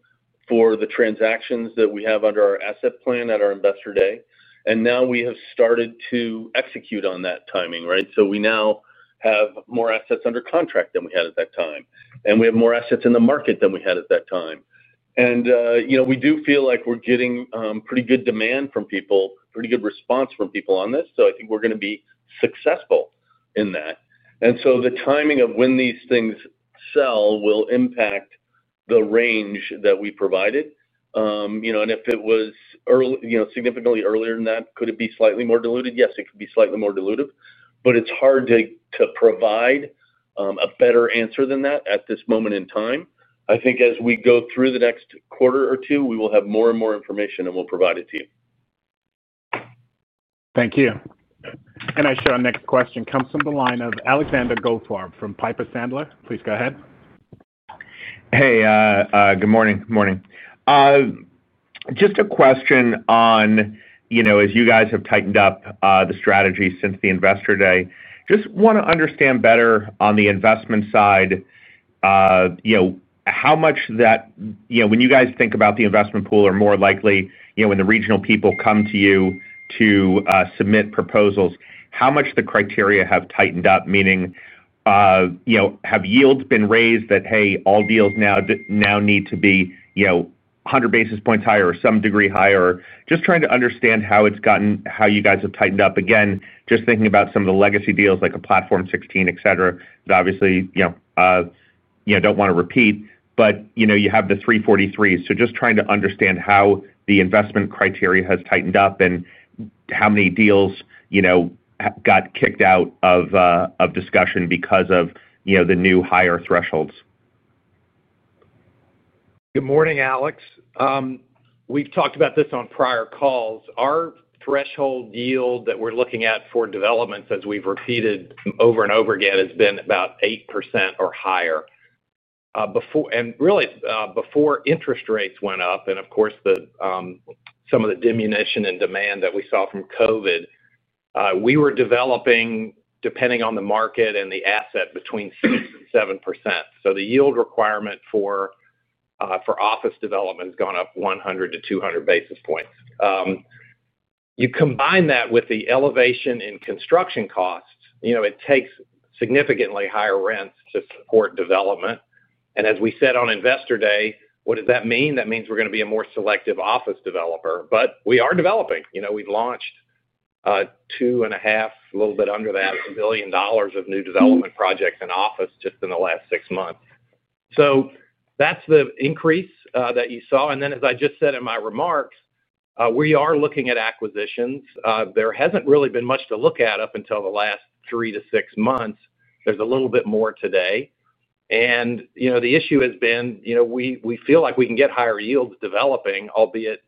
for the transactions that we have under our asset plan at our Investor Day, and now we have started to execute on that timing, right? We now have more assets under contract than we had at that time, and we have more assets in the market than we had at that time. We do feel like we're getting pretty good demand from people, pretty good response from people on this. I think we're going to be successful in that. The timing of when these things sell will impact the range that we provided. If it was significantly earlier than that, could it be slightly more diluted? Yes, it could be slightly more diluted, but it's hard to provide a better answer than that at this moment in time. I think as we go through the next quarter or two, we will have more and more information, and we'll provide it to you. Thank you. I show our next question comes from the line of Alexander David Goldfarb from Piper Sandler. Please go ahead. Hey, good morning. Just a question on, as you guys have tightened up the strategy since the Investor Day, just want to understand better on the investment side, how much that, when you guys think about the investment pool or more likely, when the regional people come to you to submit proposals, how much the criteria have tightened up, meaning, have yields been raised that, hey, all deals now need to be 100 basis points higher or some degree higher? Just trying to understand how it's gotten, how you guys have tightened up. Again, just thinking about some of the legacy deals like a Platform 16, etc., that obviously you don't want to repeat, but you have the 343s. Just trying to understand how the investment criteria has tightened up and how many deals got kicked out of discussion because of the new higher thresholds. Good morning, Alex. We've talked about this on prior calls. Our threshold yield that we're looking at for developments, as we've repeated over and over again, has been about 8% or higher. Really, before interest rates went up and, of course, some of the diminution in demand that we saw from COVID, we were developing, depending on the market and the asset, between 6% and 7%. The yield requirement for office development has gone up 100-200 basis points. You combine that with the elevation in construction costs, it takes significantly higher rents to support development. As we said on Investor Day, what does that mean? That means we're going to be a more selective office developer. We are developing. We've launched two and a half, a little bit under that, a billion dollars of new development projects in office just in the last six months. That's the increase that you saw. As I just said in my remarks, we are looking at acquisitions. There hasn't really been much to look at up until the last three to six months. There's a little bit more today. The issue has been, we feel like we can get higher yields developing, albeit,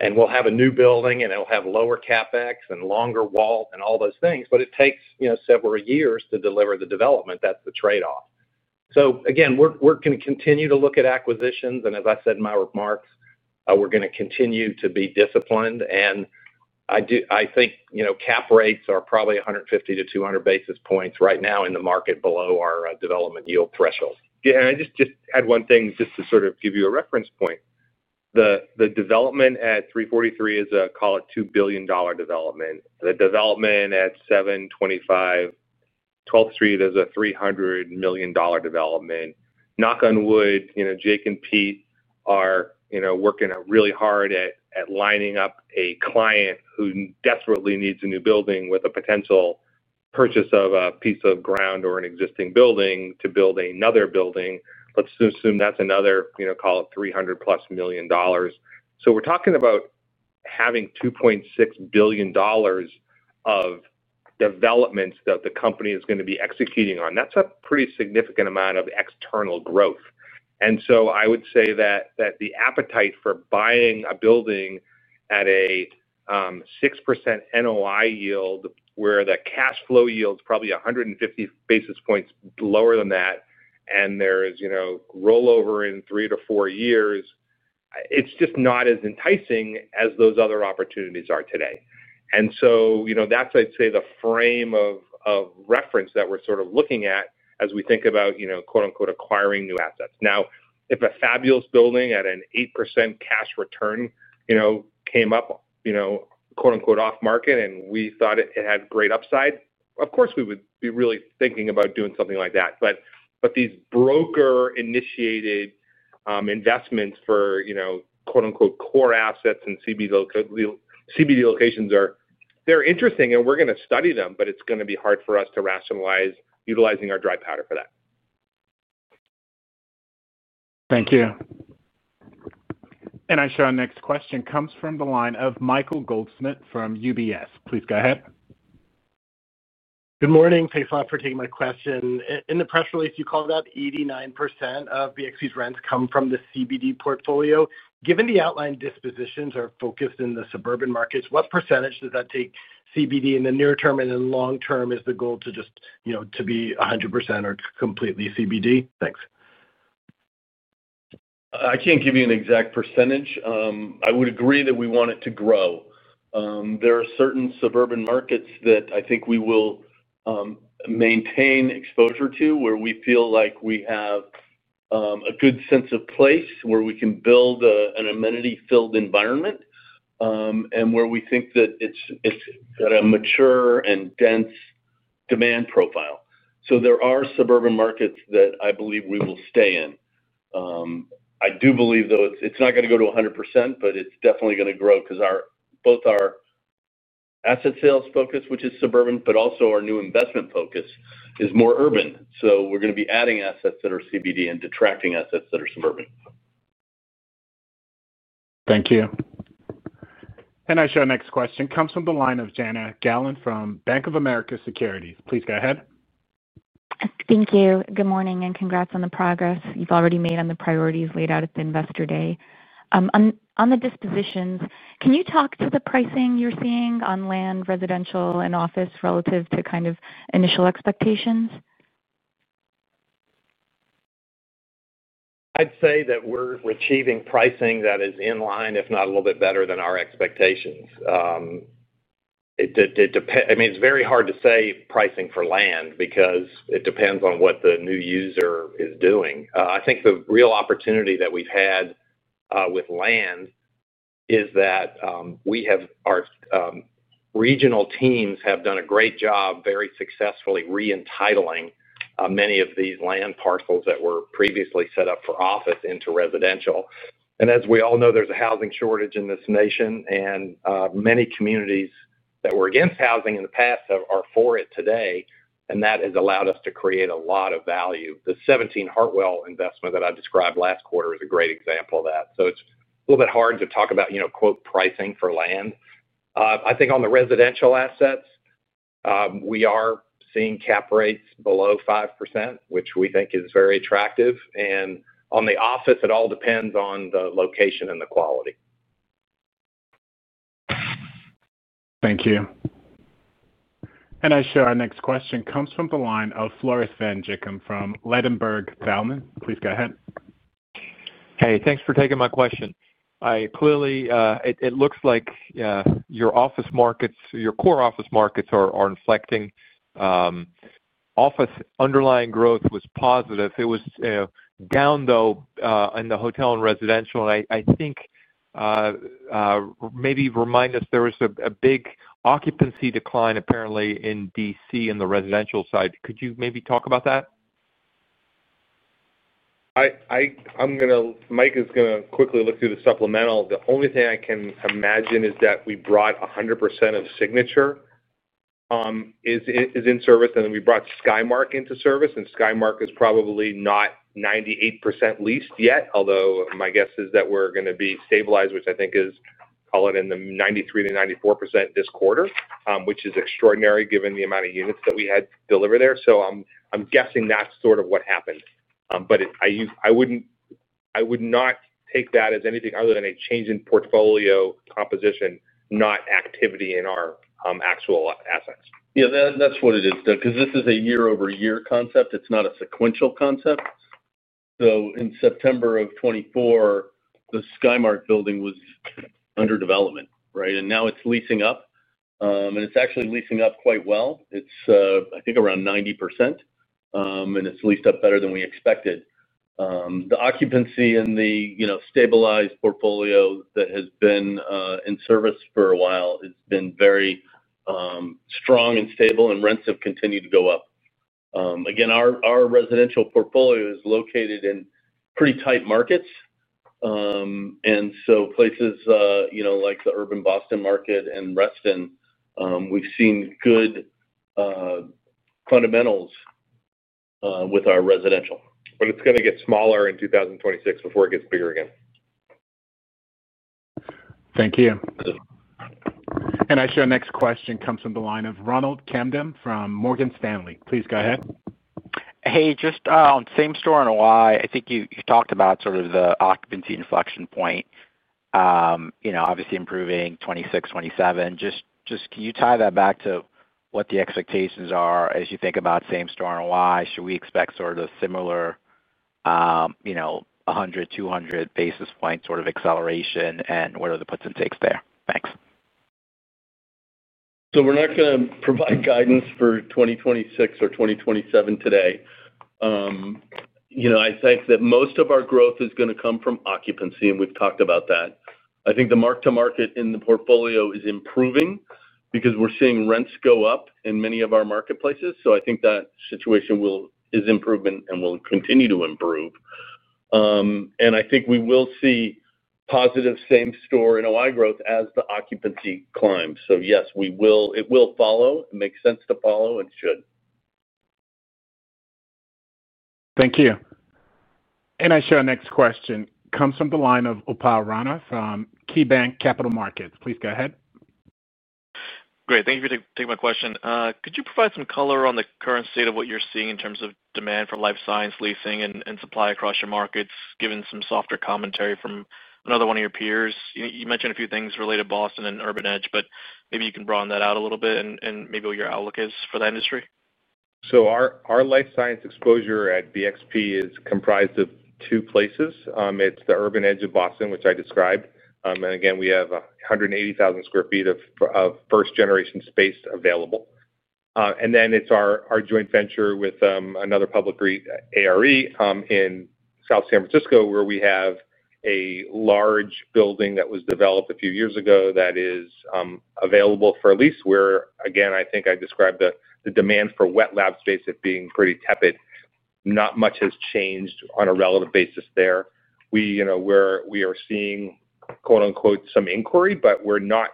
and we'll have a new building, and it'll have lower CapEx and longer WALT and all those things, but it takes several years to deliver the development. That's the trade-off. We are going to continue to look at acquisitions. As I said in my remarks, we're going to continue to be disciplined. I think cap rates are probably 150 to 200 basis points right now in the market below our development yield threshold. Yeah, and I just add one thing just to sort of give you a reference point. The development at 343 Madison Avenue is a, call it, $2 billion development. The development at 725 12th Street, there's a $300 million development. Knock on wood, Jake and Pete are working really hard at lining up a client who desperately needs a new building with a potential purchase of a piece of ground or an existing building to build another building. Let's assume that's another, call it, $300+ million. We're talking about having $2.6 billion of developments that the company is going to be executing on. That's a pretty significant amount of external growth. I would say that the appetite for buying a building at a 6% NOI yield where the cash flow yield is probably 150 basis points lower than that, and there's rollover in three to four years, it's just not as enticing as those other opportunities are today. I would say that's the frame of reference that we're sort of looking at as we think about, quote-unquote, "acquiring new assets." Now, if a fabulous building at an 8% cash return, quote-unquote, "off market," came up and we thought it had great upside, of course, we would be really thinking about doing something like that. These broker-initiated investments for, quote-unquote, "core assets" and CBD locations are interesting, and we're going to study them, but it's going to be hard for us to rationalize utilizing our dry powder for that. Thank you. I show our next question. It comes from the line of Michael Goldsmith from UBS. Please go ahead. Good morning. Thanks a lot for taking my question. In the press release, you called out 89% of BXP's rents come from the CBD portfolio. Given the outlined dispositions are focused in the suburban markets, what percentage does that take CBD in the near term and in the long term? Is the goal to just, you know, to be 100% or completely CBD? Thanks. I can't give you an exact percentage. I would agree that we want it to grow. There are certain suburban markets that I think we will maintain exposure to where we feel like we have a good sense of place, where we can build an amenity-filled environment, and where we think that it's got a mature and dense demand profile. There are suburban markets that I believe we will stay in. I do believe, though, it's not going to go to 100%, but it's definitely going to grow because both our asset sales focus, which is suburban, and our new investment focus is more urban. We're going to be adding assets that are CBD and detracting assets that are suburban. Thank you. I show our next question. It comes from the line of Jana Galan from BofA Securities. Please go ahead. Thank you. Good morning and congrats on the progress you've already made on the priorities laid out at the Investor Day. On the dispositions, can you talk to the pricing you're seeing on land, residential, and office relative to kind of initial expectations? I'd say that we're achieving pricing that is in line, if not a little bit better than our expectations. It's very hard to say pricing for land because it depends on what the new user is doing. I think the real opportunity that we've had with land is that our regional teams have done a great job very successfully reentitling many of these land parcels that were previously set up for office into residential. As we all know, there's a housing shortage in this nation, and many communities that were against housing in the past are for it today. That has allowed us to create a lot of value. The 17 Hartwell investment that I described last quarter is a great example of that. It's a little bit hard to talk about, you know, quote, "pricing for land." I think on the residential assets, we are seeing cap rates below 5%, which we think is very attractive. On the office, it all depends on the location and the quality. Thank you. I show our next question comes from the line of Floris van Dijkum from Ladenburg Thalmann. Please go ahead. Hey, thanks for taking my question. Clearly, it looks like your office markets, your core office markets are inflecting. Office underlying growth was positive. It was down, though, in the hotel and residential. I think maybe remind us there was a big occupancy decline apparently in Washington, DC in the residential side. Could you maybe talk about that? I'm going to, Mike is going to quickly look through the supplemental. The only thing I can imagine is that we brought 100% of Signature is in service, and then we brought Skymark into service. Skymark is probably not 98% leased yet, although my guess is that we're going to be stabilized, which I think is, call it, in the 93%-94% this quarter, which is extraordinary given the amount of units that we had delivered there. I'm guessing that's sort of what happened. I would not take that as anything other than a change in portfolio composition, not activity in our actual assets. Yeah, that's what it is, Doug, because this is a year-over-year concept. It's not a sequential concept. In September of 2024, the Skymark building was under development, right? Now it's leasing up, and it's actually leasing up quite well. It's, I think, around 90%, and it's leased up better than we expected. The occupancy in the stabilized portfolio that has been in service for a while has been very strong and stable, and rents have continued to go up. Our residential portfolio is located in pretty tight markets. Places like the urban Boston market and Reston, we've seen good fundamentals with our residential. It is going to get smaller in 2026 before it gets bigger again. Thank you. I show our next question comes from the line of Ronald Kamdem from Morgan Stanley. Please go ahead. Hey, just on same-property NOI, I think you talked about sort of the occupancy inflection point, you know, obviously improving 2026, 2027. Can you tie that back to what the expectations are as you think about same-property NOI? Should we expect sort of a similar, you know, 100, 200 basis point sort of acceleration? What are the puts and takes there? Thanks. We're not going to provide guidance for 2026 or 2027 today. I think that most of our growth is going to come from occupancy, and we've talked about that. I think the mark-to-market in the portfolio is improving because we're seeing rents go up in many of our marketplaces. I think that situation is improving and will continue to improve. I think we will see positive same-property NOI growth as the occupancy climbs. Yes, it will follow. It makes sense to follow and should. Thank you. I show our next question comes from the line of Upal Dhananjay Rana from KeyBanc Capital Markets Inc. Please go ahead. Great. Thank you for taking my question. Could you provide some color on the current state of what you're seeing in terms of demand from life science leasing and supply across your markets, given some softer commentary from another one of your peers? You mentioned a few things related to Boston and urban edge, but maybe you can broaden that out a little bit and maybe what your outlook is for that industry? Our life science exposure at BXP Inc. is comprised of two places. It's the urban edge of Boston, which I described. We have 180,000 sq ft of first-generation space available. It's also our joint venture with another public ARE in South San Francisco, where we have a large building that was developed a few years ago that is available for lease. I think I described the demand for wet lab space as being pretty tepid. Not much has changed on a relative basis there. We are seeing, quote-unquote, "some inquiry," but we're not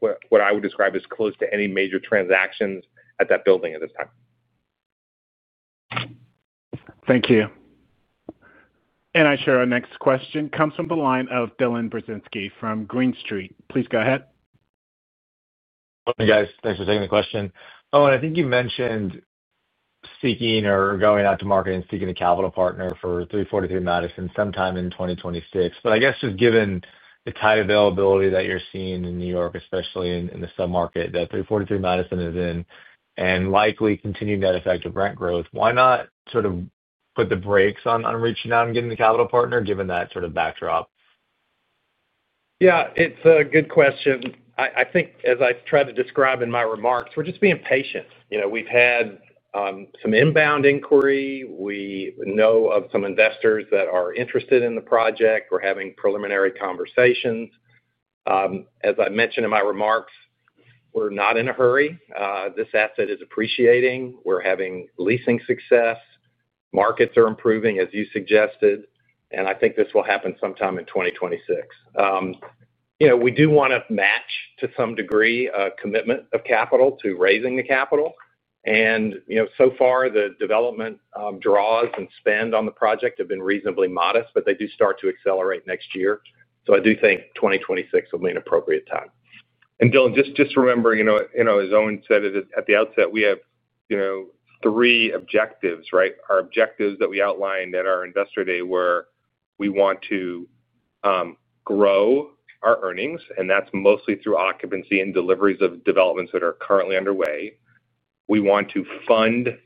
what I would describe as close to any major transactions at that building at this time. Thank you. I show our next question comes from the line of Dylan Robert Burzinski from Green Street Advisors. Please go ahead. Morning, guys. Thanks for taking the question. Owen, I think you mentioned seeking or going out to market and seeking a capital partner for 343 Madison sometime in 2026. I guess just given the tight availability that you're seeing in New York, especially in the submarket that 343 Madison is in, and likely continuing that effect of rent growth, why not sort of put the brakes on reaching out and getting the capital partner, given that sort of backdrop? Yeah, it's a good question. I think, as I try to describe in my remarks, we're just being patient. We've had some inbound inquiry. We know of some investors that are interested in the project. We're having preliminary conversations. As I mentioned in my remarks, we're not in a hurry. This asset is appreciating. We're having leasing success. Markets are improving, as you suggested. I think this will happen sometime in 2026. We do want to match, to some degree, a commitment of capital to raising the capital. So far, the development draws and spend on the project have been reasonably modest, but they do start to accelerate next year. I do think 2026 will be an appropriate time. Dylan, just remember, as Owen said at the outset, we have three objectives, right? Our objectives that we outlined at our investor day were we want to grow our earnings, and that's mostly through occupancy and deliveries of developments that are currently underway. We want to fund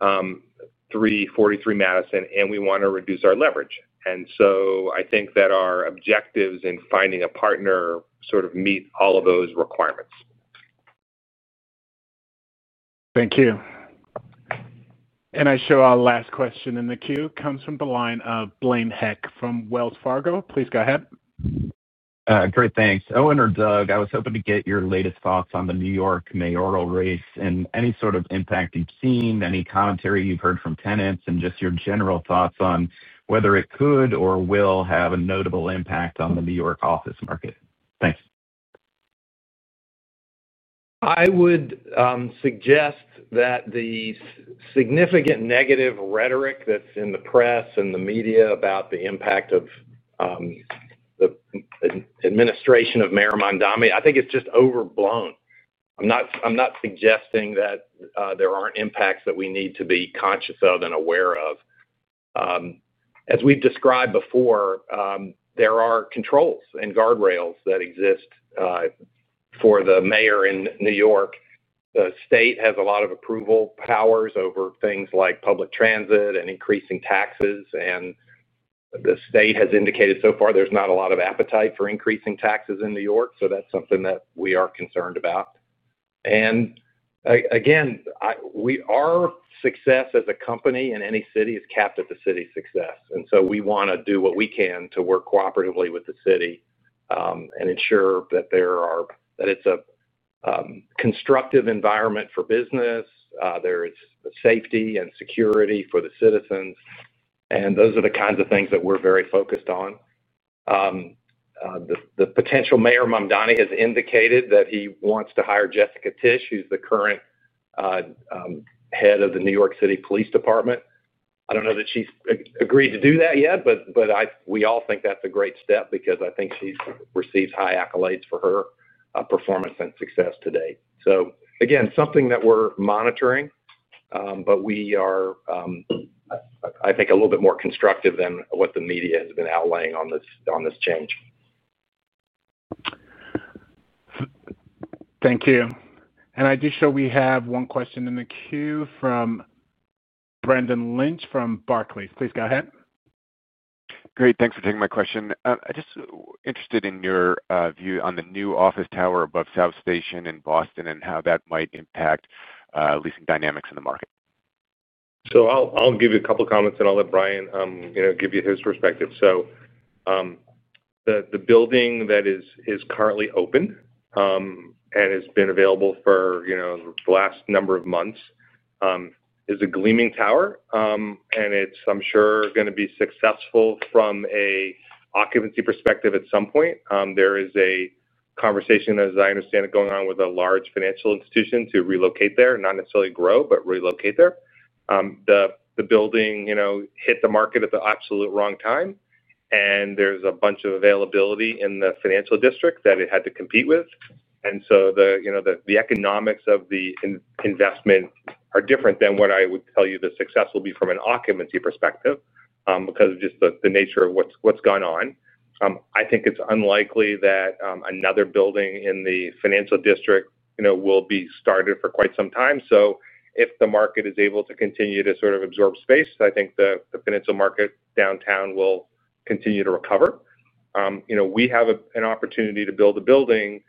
343 Madison, and we want to reduce our leverage. I think that our objectives in finding a partner sort of meet all of those requirements. Thank you. I show our last question in the queue comes from the line of Blaine Heck from Wells Fargo. Please go ahead. Great, thanks. Owen or Doug, I was hoping to get your latest thoughts on the New York mayoral race and any sort of impact you've seen, any commentary you've heard from tenants, and just your general thoughts on whether it could or will have a notable impact on the New York office market. Thanks. I would suggest that the significant negative rhetoric that's in the press and the media about the impact of the administration of Mayor Mondani, I think it's just overblown. I'm not suggesting that there aren't impacts that we need to be conscious of and aware of. As we've described before, there are controls and guardrails that exist for the Mayor in New York. The state has a lot of approval powers over things like public transit and increasing taxes, and the state has indicated so far there's not a lot of appetite for increasing taxes in New York. That's something that we are concerned about. Our success as a company in any city is capped at the city's success, and we want to do what we can to work cooperatively with the city and ensure that it's a constructive environment for business. There is safety and security for the citizens, and those are the kinds of things that we're very focused on. The potential Mayor Mondani has indicated that he wants to hire Jessica Tisch, who's the current head of the New York City Police Department. I don't know that she's agreed to do that yet, but we all think that's a great step because I think she's received high accolades for her performance and success to date. That's something that we're monitoring, but we are, I think, a little bit more constructive than what the media has been outlaying on this change. Thank you. I do show we have one question in the queue from Brendan James Lynch from Barclays Bank PLC. Please go ahead. Great, thanks for taking my question. I'm just interested in your view on the new office tower above South Station in Boston and how that might impact leasing dynamics in the market. I'll give you a couple of comments, and I'll let Brian give you his perspective. The building that is currently open and has been available for the last number of months is a gleaming tower, and it's, I'm sure, going to be successful from an occupancy perspective at some point. There is a conversation, as I understand it, going on with a large financial institution to relocate there, not necessarily grow, but relocate there. The building hit the market at the absolute wrong time, and there's a bunch of availability in the financial district that it had to compete with. The economics of the investment are different than what I would tell you the success will be from an occupancy perspective because of just the nature of what's gone on. I think it's unlikely that another building in the financial district will be started for quite some time. If the market is able to continue to sort of absorb space, I think the financial market downtown will continue to recover. We have an opportunity to build a building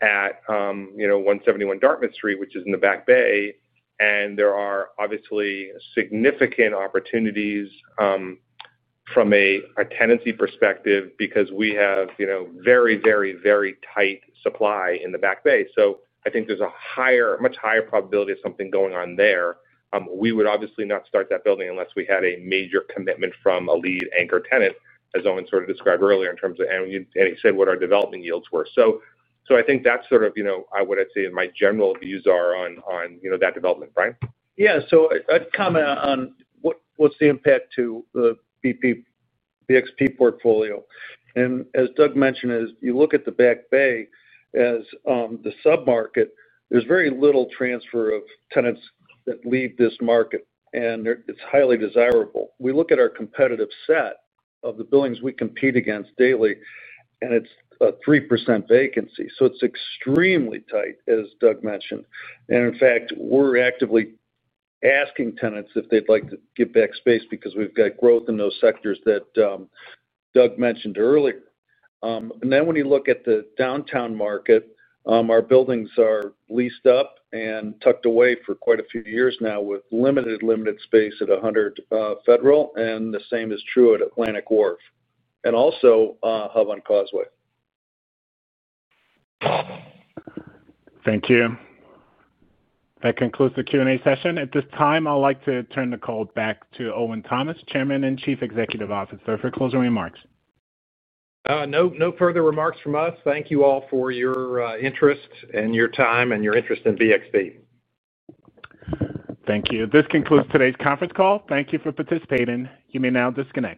at 171 Dartmouth Street, which is in the Back Bay, and there are obviously significant opportunities from a tenancy perspective because we have very, very, very tight supply in the Back Bay. I think there's a much higher probability of something going on there. We would obviously not start that building unless we had a major commitment from a lead anchor tenant, as Owen sort of described earlier in terms of, and he said what our development yields were. I think that's sort of what I'd say my general views are on that development, Brian. Yeah, so a comment on what's the impact to the BXP portfolio. As Doug mentioned, as you look at the Back Bay as the submarket, there's very little transfer of tenants that leave this market, and it's highly desirable. We look at our competitive set of the buildings we compete against daily, and it's a 3% vacancy. It's extremely tight, as Doug mentioned. In fact, we're actively asking tenants if they'd like to give back space because we've got growth in those sectors that Doug mentioned earlier. When you look at the downtown market, our buildings are leased up and tucked away for quite a few years now with limited, limited space at 100 Federal and the same is true at Atlantic Wharf and also Hub on Causeway. Thank you. That concludes the Q&A session. At this time, I'd like to turn the call back to Owen Thomas, Chairman and Chief Executive Officer, for closing remarks. No further remarks from us. Thank you all for your interest and your time and your interest in BXP. Thank you. This concludes today's conference call. Thank you for participating. You may now disconnect.